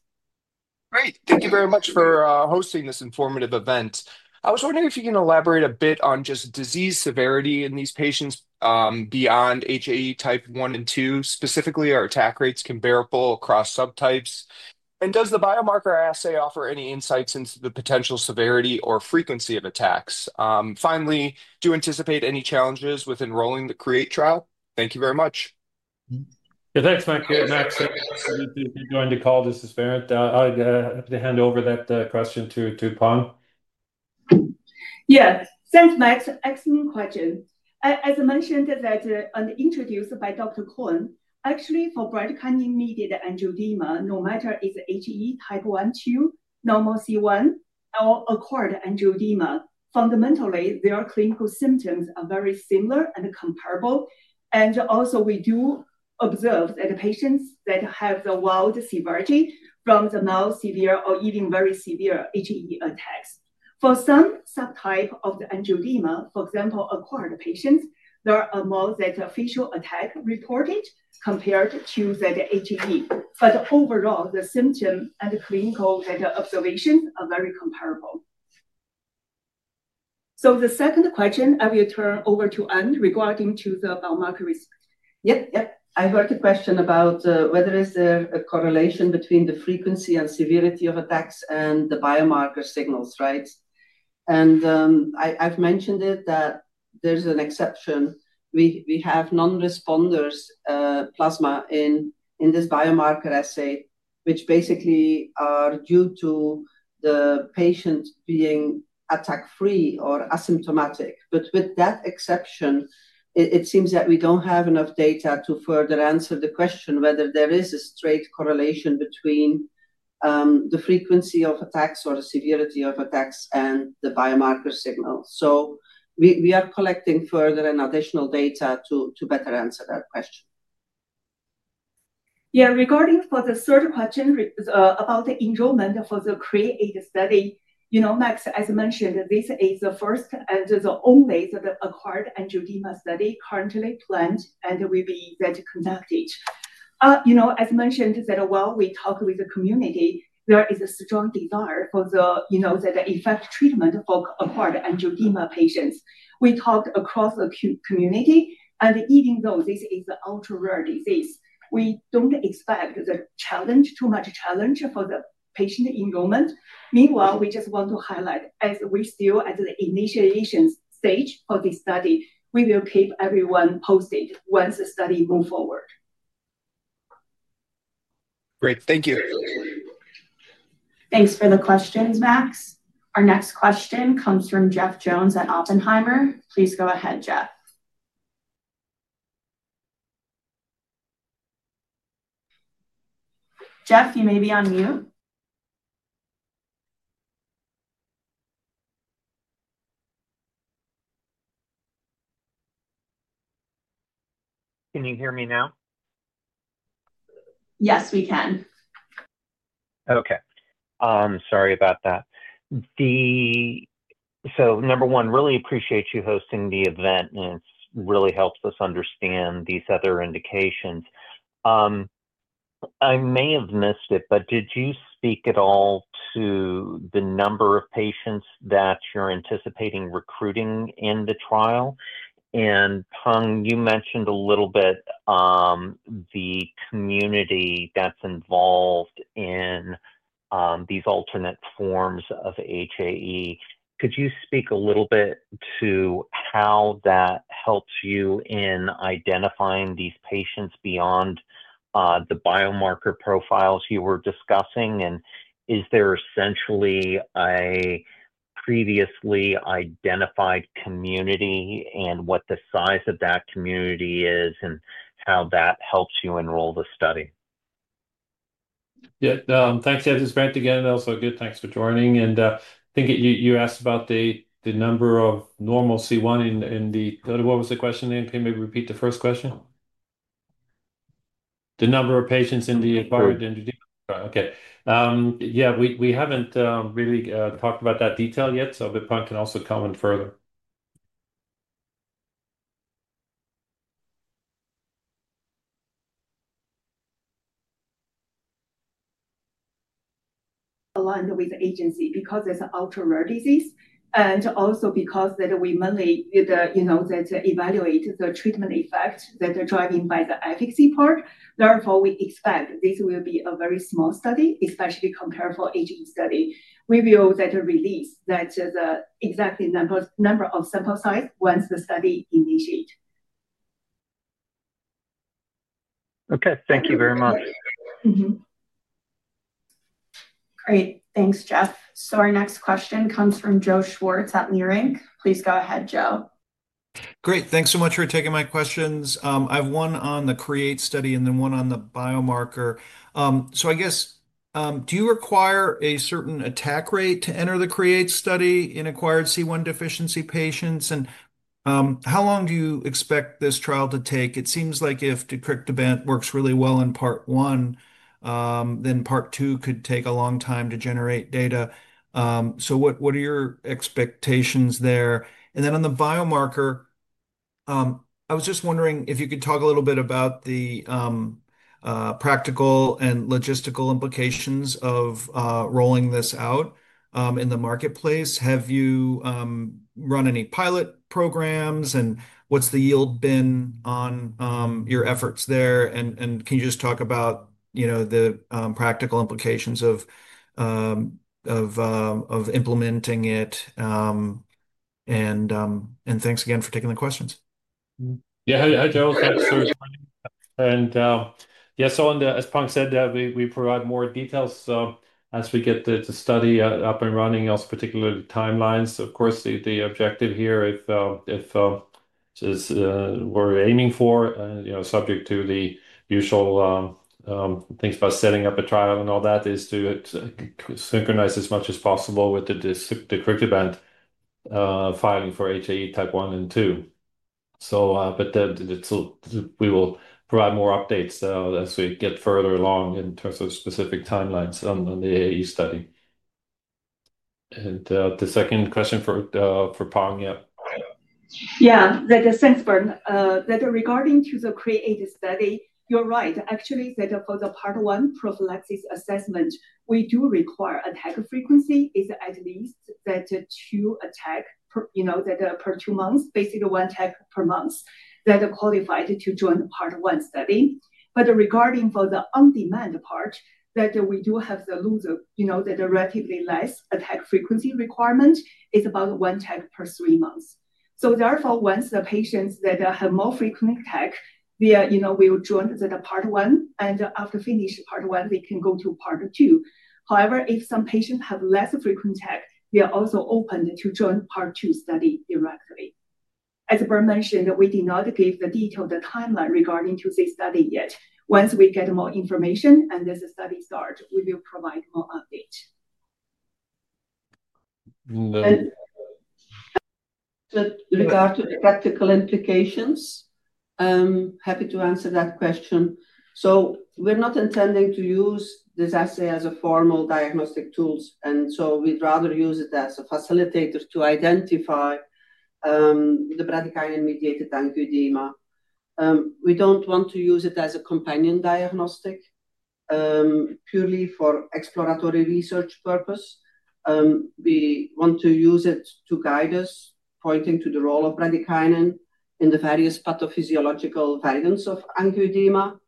Great. Thank you very much for hosting this informative event. I was wondering if you can elaborate a bit on just disease severity in these patients beyond HAE type one and two, specifically are attack rates comparable across subtypes. Does the biomarker assay offer any insights into the potential severity or frequency of attacks? Finally, do you anticipate any challenges with enrolling the CREATE trial? Thank you very much. Yeah, thanks, Maggie. Thanks for joining the call. This is Ferrand. I'll hand over that question to Peng. Yes. Thanks, Max. Excellent question. As I mentioned, that I'm introduced by Dr. Cohn, actually for bradykinin-mediated angioedema, no matter if it's HAE type one, two, normal C1, or acquired angioedema, fundamentally, their clinical symptoms are very similar and comparable. Also, we do observe that patients that have the wild severity from the mild, severe, or even very severe HAE attacks. For some subtype of the angioedema, for example, acquired patients, there are more facial attacks reported compared to that HAE. Overall, the symptoms and clinical observations are very comparable. The second question, I will turn over to Anne regarding the biomarker risk. Yep, yep. I heard the question about whether there is a correlation between the frequency and severity of attacks and the biomarker signals, right? I've mentioned that there's an exception. We have non-responders plasma in this biomarker assay, which basically are due to the patient being attack-free or asymptomatic. With that exception, it seems that we do not have enough data to further answer the question whether there is a straight correlation between the frequency of attacks or the severity of attacks and the biomarker signal. We are collecting further and additional data to better answer that question. Yeah, regarding the third question about the enrollment for the CREATE study, you know, Max, as I mentioned, this is the first and the only acquired angioedema study currently planned and will be conducted. As mentioned, while we talk with the community, there is a strong desire for the effective treatment for acquired angioedema patients. We talked across the community, and even though this is an ultra-rare disease, we do not expect too much challenge for the patient enrollment. Meanwhile, we just want to highlight, as we are still at the initiation stage for this study, we will keep everyone posted once the study moves forward. Great. Thank you. Thanks for the questions, Max. Our next question comes from Jeff Jones at Oppenheimer. Please go ahead, Jeff. Jeff, you may be on mute. Can you hear me now? Yes, we can. Okay. I'm sorry about that. Number one, really appreciate you hosting the event, and it has really helped us understand these other indications. I may have missed it, but did you speak at all to the number of patients that you are anticipating recruiting in the trial? And Peng, you mentioned a little bit the community that is involved in these alternate forms of HAE. Could you speak a little bit to how that helps you in identifying these patients beyond the biomarker profiles you were discussing? Is there essentially a previously identified community and what the size of that community is and how that helps you enroll the study? Yeah. Thanks, Jeff. It's great to get in. Also, good. Thanks for joining. I think you asked about the number of normal C1 in the—what was the question again? Can you maybe repeat the first question? The number of patients in the acquired angioedema. Okay. Yeah. We haven't really talked about that detail yet, so if Peng can also comment further. Aligned with agency because it's an ultra-rare disease. Also because we mainly evaluate the treatment effect that they're driving by the efficacy part. Therefore, we expect this will be a very small study, especially compared for HAE study. We will release the exact number of sample size once the study initiates. Okay. Thank you very much. Great. Thanks, Jeff. Our next question comes from Joe Schwartz at Leerink. Please go ahead, Joe. Great. Thanks so much for taking my questions. I have one on the CREAATE study and then one on the biomarker. I guess, do you require a certain attack rate to enter the CREAATE study in acquired C1 inhibitor deficiency patients? How long do you expect this trial to take? It seems like if the deucrictibant works really well in part one, then part two could take a long time to generate data. What are your expectations there? On the biomarker, I was just wondering if you could talk a little bit about the practical and logistical implications of rolling this out in the marketplace. Have you run any pilot programs, and what's the yield been on your efforts there? Can you just talk about the practical implications of implementing it? Thanks again for taking the questions. Yeah. Hi, Joe. Thanks for joining. Yeah, as Peng said, we provide more details as we get the study up and running, also particularly the timelines. Of course, the objective here, if we're aiming for, subject to the usual things about setting up a trial and all that, is to synchronize as much as possible with the deucrictibant filing for HAE type one and two. We will provide more updates as we get further along in terms of specific timelines on the AAE study. The second question for Peng, yeah. Yeah. Thanks, Berndt. Regarding the CHAPTER-3 study, you're right. Actually, for the part one prophylaxis assessment, we do require attack frequency is at least two attacks per two months, basically one attack per month that are qualified to join part one study. Regarding the on-demand part, we do have the relatively less attack frequency requirement, which is about one attack per three months. Therefore, once the patients that have more frequent attack, they will join the part one. After finishing part one, they can go to part two. However, if some patients have less frequent attack, they are also open to join part two study directly. As Berndt mentioned, we did not give the detailed timeline regarding this study yet. Once we get more information and this study starts, we will provide more updates. Regarding the practical implications, I'm happy to answer that question. We are not intending to use this assay as a formal diagnostic tool. We would rather use it as a facilitator to identify the bradykinin-mediated angioedema. We do not want to use it as a companion diagnostic, purely for exploratory research purpose. We want to use it to guide us, pointing to the role of bradykinin in the various pathophysiological variants of angioedema.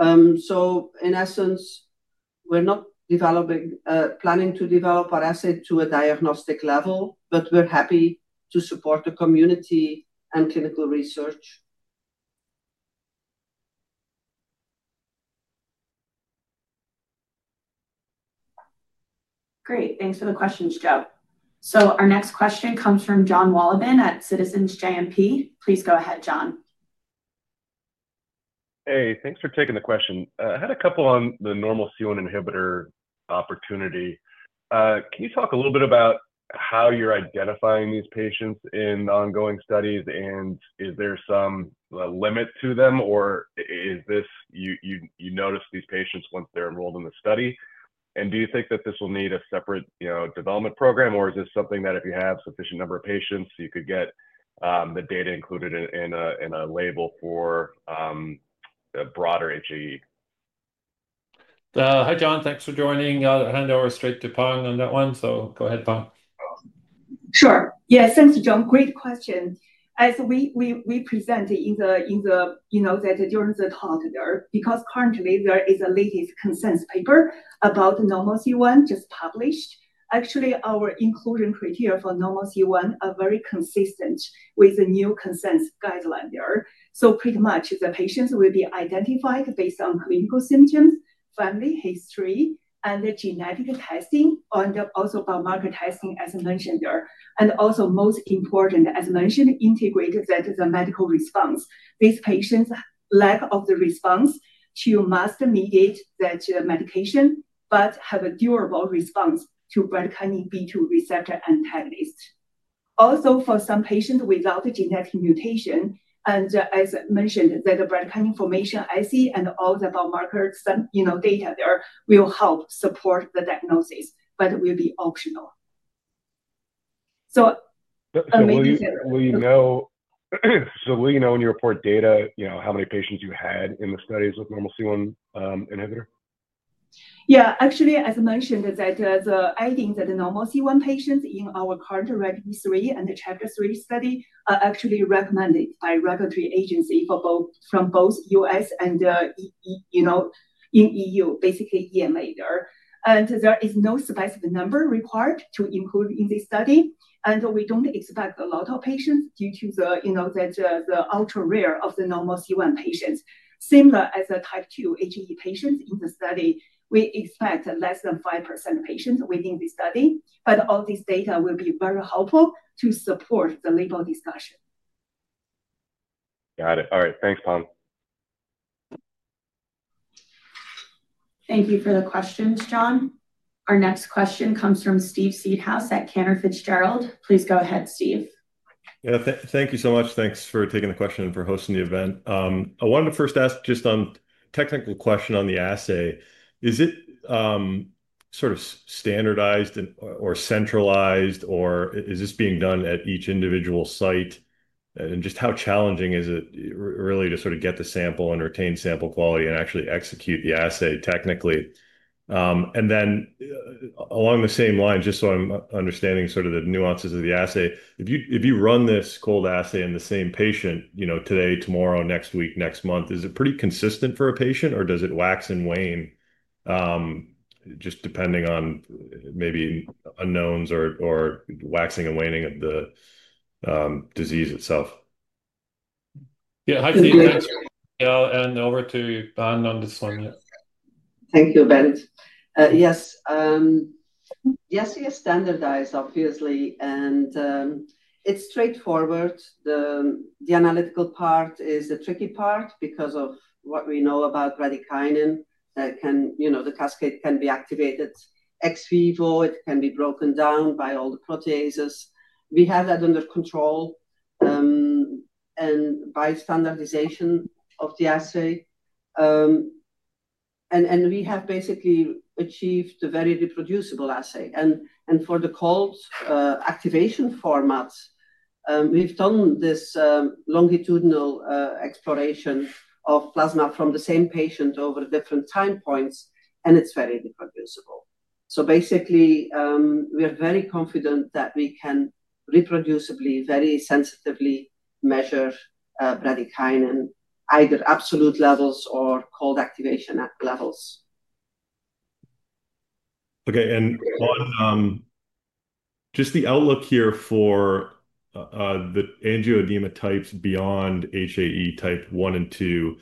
In essence, we're not planning to develop our assay to a diagnostic level, but we're happy to support the community and clinical research. Great. Thanks for the questions, Joe. Our next question comes from Jon Wolleben at Citizens JMP. Please go ahead, John. Hey, thanks for taking the question. I had a couple on the normal C1 inhibitor opportunity. Can you talk a little bit about how you're identifying these patients in ongoing studies, and is there some limit to them, or is this you notice these patients once they're enrolled in the study? Do you think that this will need a separate development program, or is this something that if you have a sufficient number of patients, you could get the data included in a label for a broader HAE? Hi, Jon. Thanks for joining. I'll hand over straight to Peng on that one. Go ahead, Peng. Sure. Yes. Thanks, John. Great question. As we present during the talk there, because currently, there is a latest consent paper about normal C1 just published. Actually, our inclusion criteria for normal C1 are very consistent with the new consent guideline there. Pretty much, the patients will be identified based on clinical symptoms, family history, and genetic testing, and also biomarker testing, as I mentioned there. Also, most important, as I mentioned, integrate the medical response. These patients' lack of the response to mast-mediated medication, but have a durable response to bradykinin B2 receptor antagonist. Also, for some patients without genetic mutation, and as I mentioned, the bradykinin formation I see and all the biomarker data there will help support the diagnosis, but it will be optional. Maybe you can—Will you know—Will you know when you report data, how many patients you had in the studies with normal C1 inhibitor? Yeah. Actually, as I mentioned, the idea that the normal C1 patients in our current RAPID-3 and the CHAPTER-3 study are actually recommended by regulatory agency from both U.S. and in EU, basically EMA there. There is no specific number required to include in this study. We do not expect a lot of patients due to the ultra-rare of the normal C1 patients. Similar as the type two HAE patients in the study, we expect less than 5% patients within the study. All this data will be very helpful to support the label discussion. Got it. All right. Thanks, Peng. Thank you for the questions, John. Our next question comes from Steve Seedhouse at Cantor Fitzgerald. Please go ahead, Steve. Yeah. Thank you so much. Thanks for taking the question and for hosting the event. I wanted to first ask just on technical question on the assay. Is it sort of standardized or centralized, or is this being done at each individual site? Just how challenging is it really to sort of get the sample and retain sample quality and actually execute the assay technically? Then along the same line, just so I'm understanding sort of the nuances of the assay, if you run this cold assay in the same patient today, tomorrow, next week, next month, is it pretty consistent for a patient, or does it wax and wane just depending on maybe unknowns or waxing and waning of the disease itself? Yeah. Hi, Steve. Thanks. Over to you, Ben, on this one. Thank you, Berndt. Yes. Yes, it is standardized, obviously. It's straightforward. The analytical part is the tricky part because of what we know about bradykinin. The cascade can be activated ex vivo. It can be broken down by all the proteases. We have that under control and by standardization of the assay. We have basically achieved the very reproducible assay. For the cold activation formats, we've done this longitudinal exploration of plasma from the same patient over different time points, and it's very reproducible. Basically, we are very confident that we can reproducibly, very sensitively measure bradykinin at either absolute levels or cold activation levels. Okay. Just the outlook here for the angioedema types beyond HAE type one and two,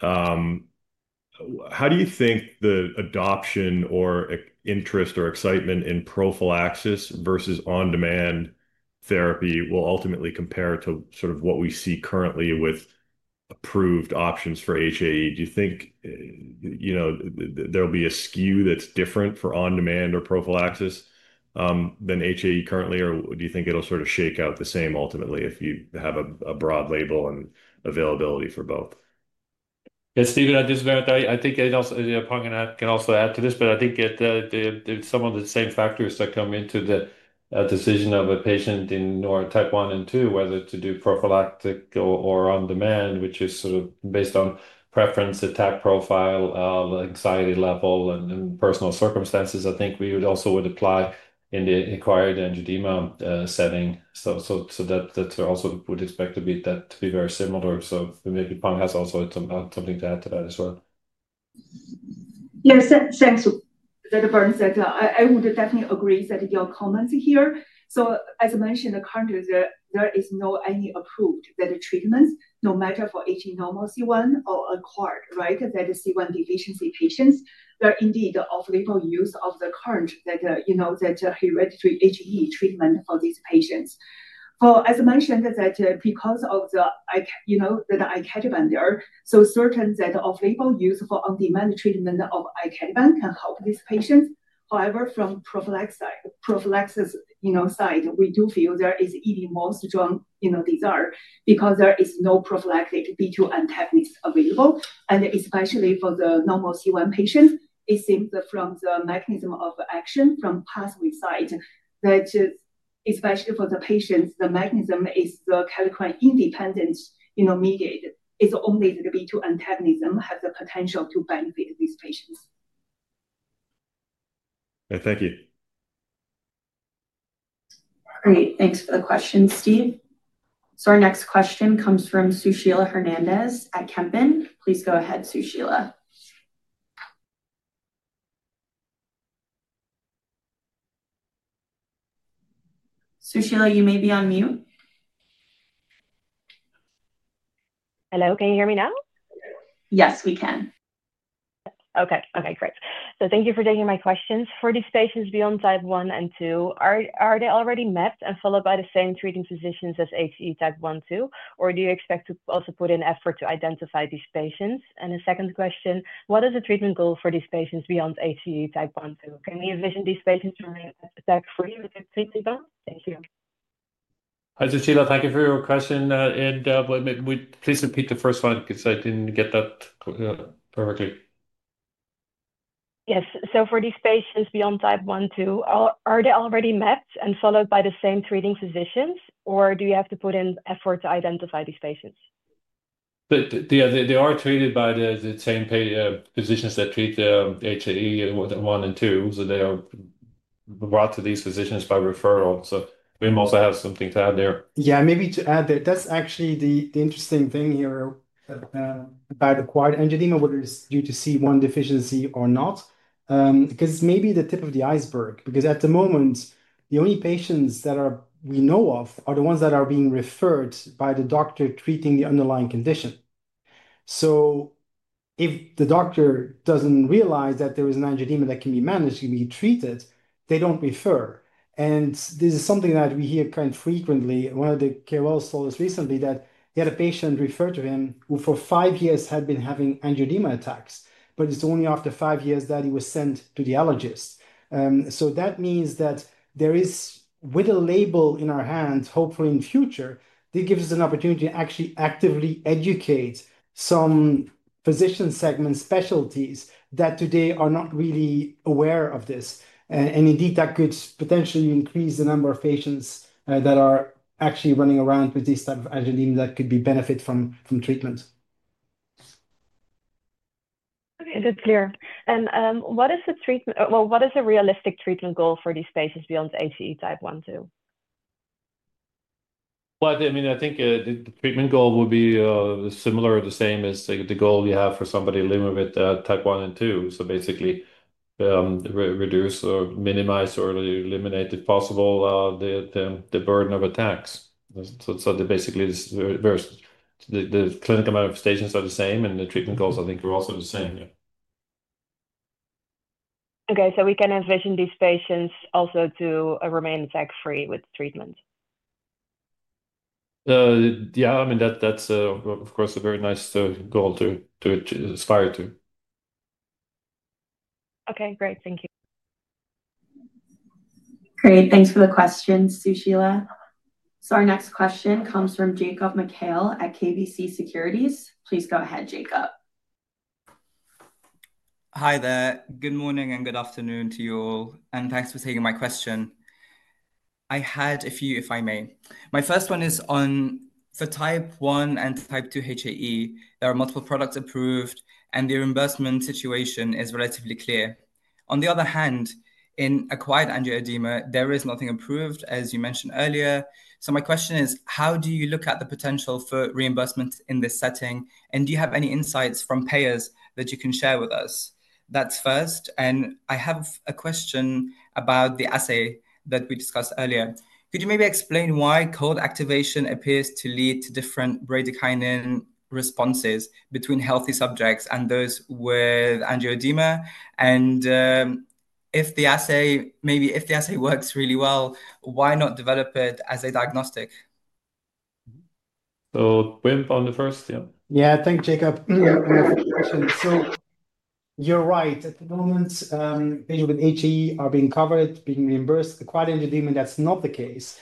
how do you think the adoption or interest or excitement in prophylaxis versus on-demand therapy will ultimately compare to sort of what we see currently with approved options for HAE? Do you think there'll be a skew that's different for on-demand or prophylaxis than HAE currently, or do you think it'll sort of shake out the same ultimately if you have a broad label and availability for both? Yeah. Steven, I just wanted to—I think Peng can also add to this, but I think some of the same factors that come into the decision of a patient in type one and two, whether to do prophylactic or on-demand, which is sort of based on preference, attack profile, anxiety level, and personal circumstances, I think we also would apply in the acquired angioedema setting. That is also what we would expect to be very similar. Maybe Peng has also something to add to that as well. Yeah. Thanks, Berndt and Sarah. I would definitely agree with your comments here. As I mentioned, currently, there is no approved treatment, no matter for HAE normal C1 or acquired, right, that C1 deficiency patients. There are indeed off-label use of the current hereditary HAE treatment for these patients. As I mentioned, because of the iCADMB there, certain that off-label use for on-demand treatment of iCADMB can help these patients. However, from prophylaxis side, we do feel there is even more strong desire because there is no prophylactic B2 antagonist available. Especially for the normal C1 patient, it seems from the mechanism of action from pathway side that especially for the patients, the mechanism is the calcarein-independent mediated. It's only the B2 antagonism that has the potential to benefit these patients. Thank you. Great. Thanks for the question, Steve. Our next question comes from Sushila Hernandez at Kempen. Please go ahead, Sushila. Sushila, you may be on mute. Hello. Can you hear me now? Yes, we can. Okay. Great. Thank you for taking my questions. For these patients beyond type one and two, are they already met and followed by the same treating physicians as HAE type one and two? Or do you expect to also put in effort to identify these patients? A second question, what is the treatment goal for these patients beyond HAE type one and two? Can we envision these patients remaining attack-free with the treatment gone? Thank you. Hi, Sushila. Thank you for your question. Please repeat the first one because I didn't get that perfectly. Yes. For these patients beyond type one and two, are they already met and followed by the same treating physicians, or do you have to put in effort to identify these patients? They are treated by the same physicians that treat HAE one and two. They are brought to these physicians by referral. Wim must have something to add there. Yeah. Maybe to add that that's actually the interesting thing here by the acquired angioedema, whether it's due to C1 inhibitor deficiency or not, because it's maybe the tip of the iceberg. Because at the moment, the only patients that we know of are the ones that are being referred by the doctor treating the underlying condition. If the doctor doesn't realize that there is an angioedema that can be managed, can be treated, they don't refer. This is something that we hear quite frequently. One of the care wells told us recently that he had a patient referred to him who for five years had been having angioedema attacks, but it's only after five years that he was sent to the allergist. That means that with a label in our hands, hopefully in the future, it gives us an opportunity to actually actively educate some physician segment specialties that today are not really aware of this. Indeed, that could potentially increase the number of patients that are actually running around with this type of angioedema that could benefit from treatment. Okay. That's clear. What is the treatment, what is the realistic treatment goal for these patients beyond HAE type one and two? I mean, I think the treatment goal will be similar or the same as the goal you have for somebody living with type one and two. Basically, reduce or minimize or eliminate if possible the burden of attacks. Basically, the clinical manifestations are the same, and the treatment goals, I think, are also the same. Yeah. Okay. We can envision these patients also to remain attack-free with treatment. Yeah. I mean, that's, of course, a very nice goal to aspire to. Okay. Great. Thank you. Great. Thanks for the question, Sushila. Our next question comes from Jacob Mekhael at KBC Securities. Please go ahead, Jacob. Hi there. Good morning and good afternoon to you all. Thanks for taking my question. I had a few, if I may. My first one is on for type one and type two HAE, there are multiple products approved, and the reimbursement situation is relatively clear. On the other hand, in acquired angioedema, there is nothing approved, as you mentioned earlier. My question is, how do you look at the potential for reimbursement in this setting, and do you have any insights from payers that you can share with us? That's first. I have a question about the assay that we discussed earlier. Could you maybe explain why cold activation appears to lead to different bradykinin responses between healthy subjects and those with angioedema? If the assay works really well, why not develop it as a diagnostic? Wim found the first. Yeah. Thank you, Jacob. Thank you for the question. You're right. At the moment, patients with HAE are being covered, being reimbursed. Acquired angioedema, that's not the case.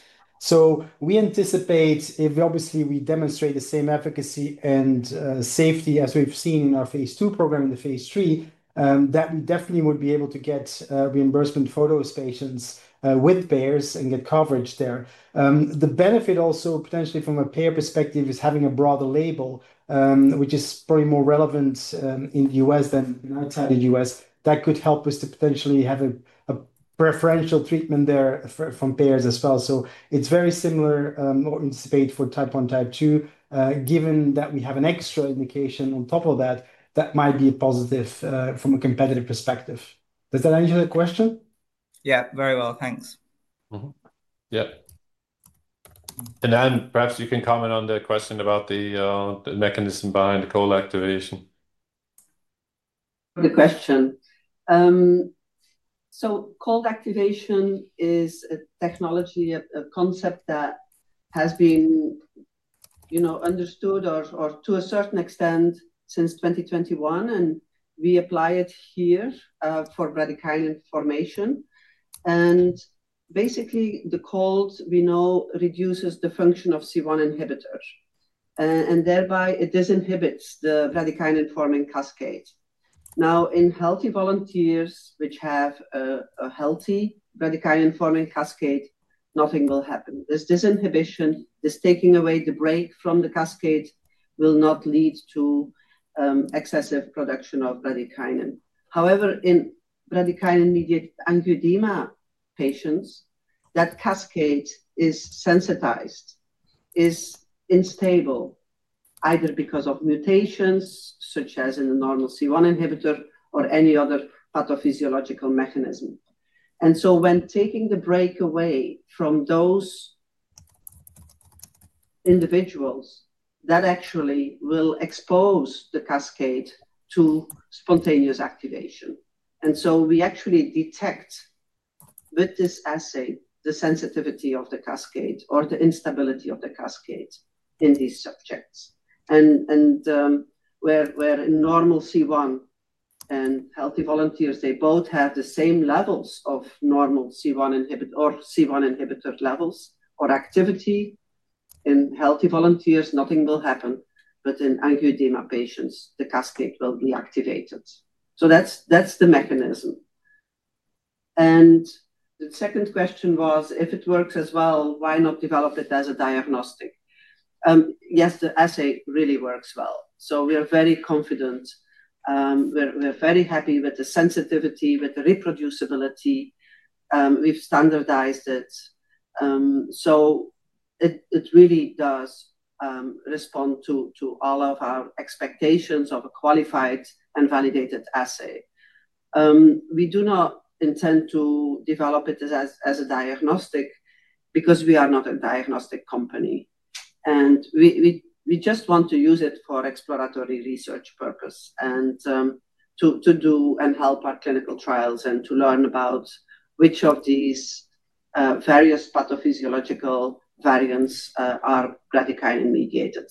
We anticipate, obviously, if we demonstrate the same efficacy and safety as we've seen in our phase II program and the phase III, that we definitely would be able to get reimbursement for those patients with payers and get coverage there. The benefit also potentially from a payer perspective is having a broader label, which is probably more relevant in the US than outside the US. That could help us to potentially have a preferential treatment there from payers as well. It is very similar or anticipated for type one, type two, given that we have an extra indication on top of that that might be a positive from a competitive perspective. Does that answer the question? Yeah. Very well. Thanks. Yeah. Perhaps you can comment on the question about the mechanism behind the cold activation. Good question. Cold activation is a technology, a concept that has been understood or to a certain extent since 2021, and we apply it here for bradykinin formation. Basically, the cold, we know, reduces the function of C1 inhibitor. Thereby, it disinhibits the bradykinin-forming cascade. Now, in healthy volunteers which have a healthy bradykinin-forming cascade, nothing will happen. This disinhibition, this taking away the brake from the cascade, will not lead to excessive production of bradykinin. However, in bradykinin-mediated angioedema patients, that cascade is sensitized, is unstable, either because of mutations such as in the normal C1 inhibitor or any other pathophysiological mechanism. When taking the brake away from those individuals, that actually will expose the cascade to spontaneous activation. We actually detect with this assay the sensitivity of the cascade or the instability of the cascade in these subjects. Where in normal C1 and healthy volunteers, they both have the same levels of normal C1 inhibitor or C1 inhibitor levels or activity, in healthy volunteers, nothing will happen. In angioedema patients, the cascade will be activated. That's the mechanism. The second question was, if it works as well, why not develop it as a diagnostic? Yes, the assay really works well. We are very confident. We're very happy with the sensitivity, with the reproducibility. We've standardized it. It really does respond to all of our expectations of a qualified and validated assay. We do not intend to develop it as a diagnostic because we are not a diagnostic company. We just want to use it for exploratory research purpose and to do and help our clinical trials and to learn about which of these various pathophysiological variants are bradykinin-mediated.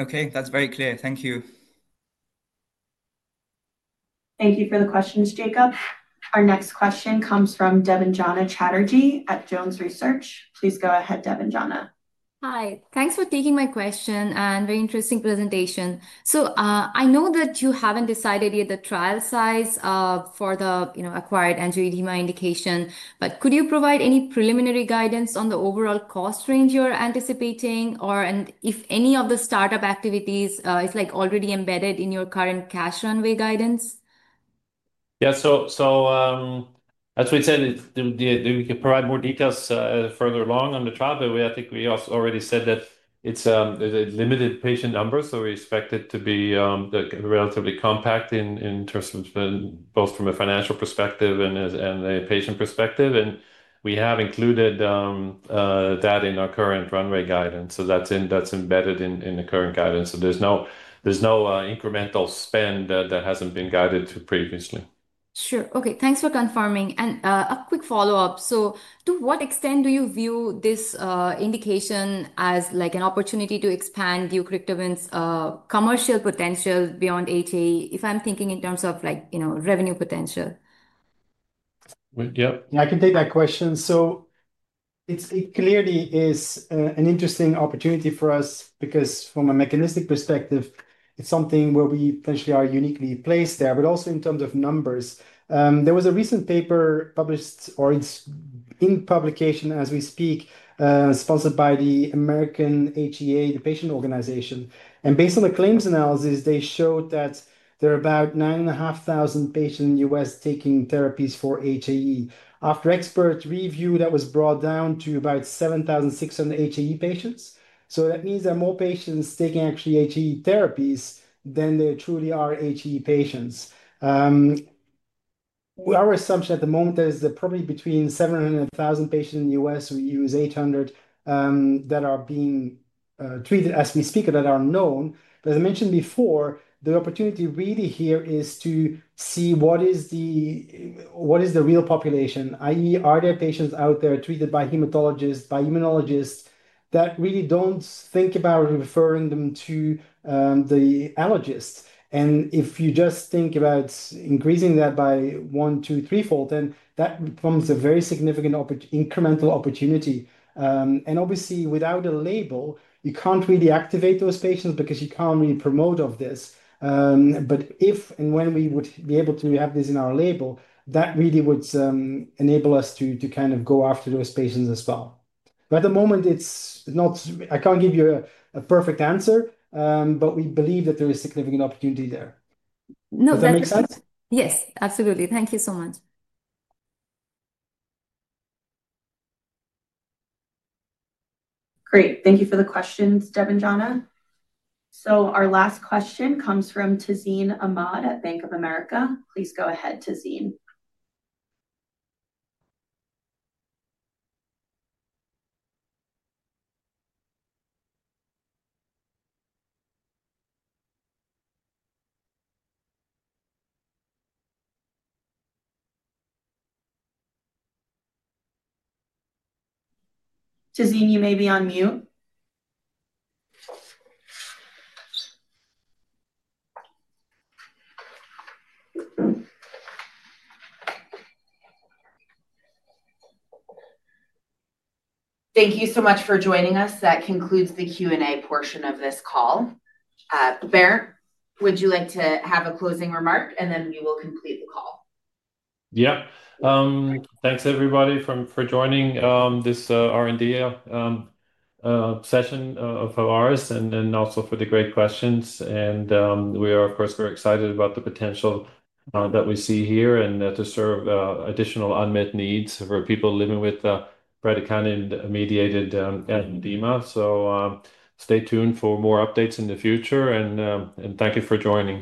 Okay. That's very clear. Thank you. Thank you for the questions, Jacob. Our next question comes from Debanjana Chatterjee at Jones Research. Please go ahead, Debanjana. Hi. Thanks for taking my question. And very interesting presentation. I know that you haven't decided yet the trial size for the acquired angioedema indication, but could you provide any preliminary guidance on the overall cost range you're anticipating? Or if any of the startup activities is already embedded in your current cash runway guidance? Yeah. As we said, we can provide more details further along on the trial. I think we already said that it's a limited patient number. We expect it to be relatively compact in terms of both from a financial perspective and a patient perspective. We have included that in our current runway guidance. That's embedded in the current guidance. There's no incremental spend that hasn't been guided to previously. Sure. Okay. Thanks for confirming. A quick follow-up. To what extent do you view this indication as an opportunity to expand deucrictibant's commercial potential beyond HAE, if I'm thinking in terms of revenue potential? Yeah. I can take that question. It clearly is an interesting opportunity for us because from a mechanistic perspective, it's something where we potentially are uniquely placed there, but also in terms of numbers. There was a recent paper published or in publication as we speak, sponsored by the American HAEA, the patient organization. Based on the claims analysis, they showed that there are about 9,500 patients in the US taking therapies for HAE. After expert review, that was brought down to about 7,600 HAE patients. That means there are more patients taking actually HAE therapies than there truly are HAE patients. Our assumption at the moment is that probably between 700 and 1,000 patients in the US, we use 800 that are being treated as we speak that are known. As I mentioned before, the opportunity really here is to see what is the real population, i.e., are there patients out there treated by hematologists, by immunologists that really do not think about referring them to the allergist? If you just think about increasing that by one, two, threefold, then that becomes a very significant incremental opportunity. Obviously, without a label, you cannot really activate those patients because you cannot really promote this. If and when we would be able to have this in our label, that really would enable us to kind of go after those patients as well. But at the moment, I can't give you a perfect answer, but we believe that there is significant opportunity there. Does that make sense? Yes. Absolutely. Thank you so much. Great. Thank you for the questions, Debanjana. Our last question comes from Tazeen Ahmad at Bank of America. Please go ahead, Tazeen. Tazeen, you may be on mute. Thank you so much for joining us. That concludes the Q&A portion of this call. Berndt, would you like to have a closing remark, and then we will complete the call? Yep. Thanks, everybody, for joining this R&D session of ours and also for the great questions. We are, of course, very excited about the potential that we see here and to serve additional unmet needs for people living with bradykinin-mediated angioedema. Stay tuned for more updates in the future. Thank you for joining.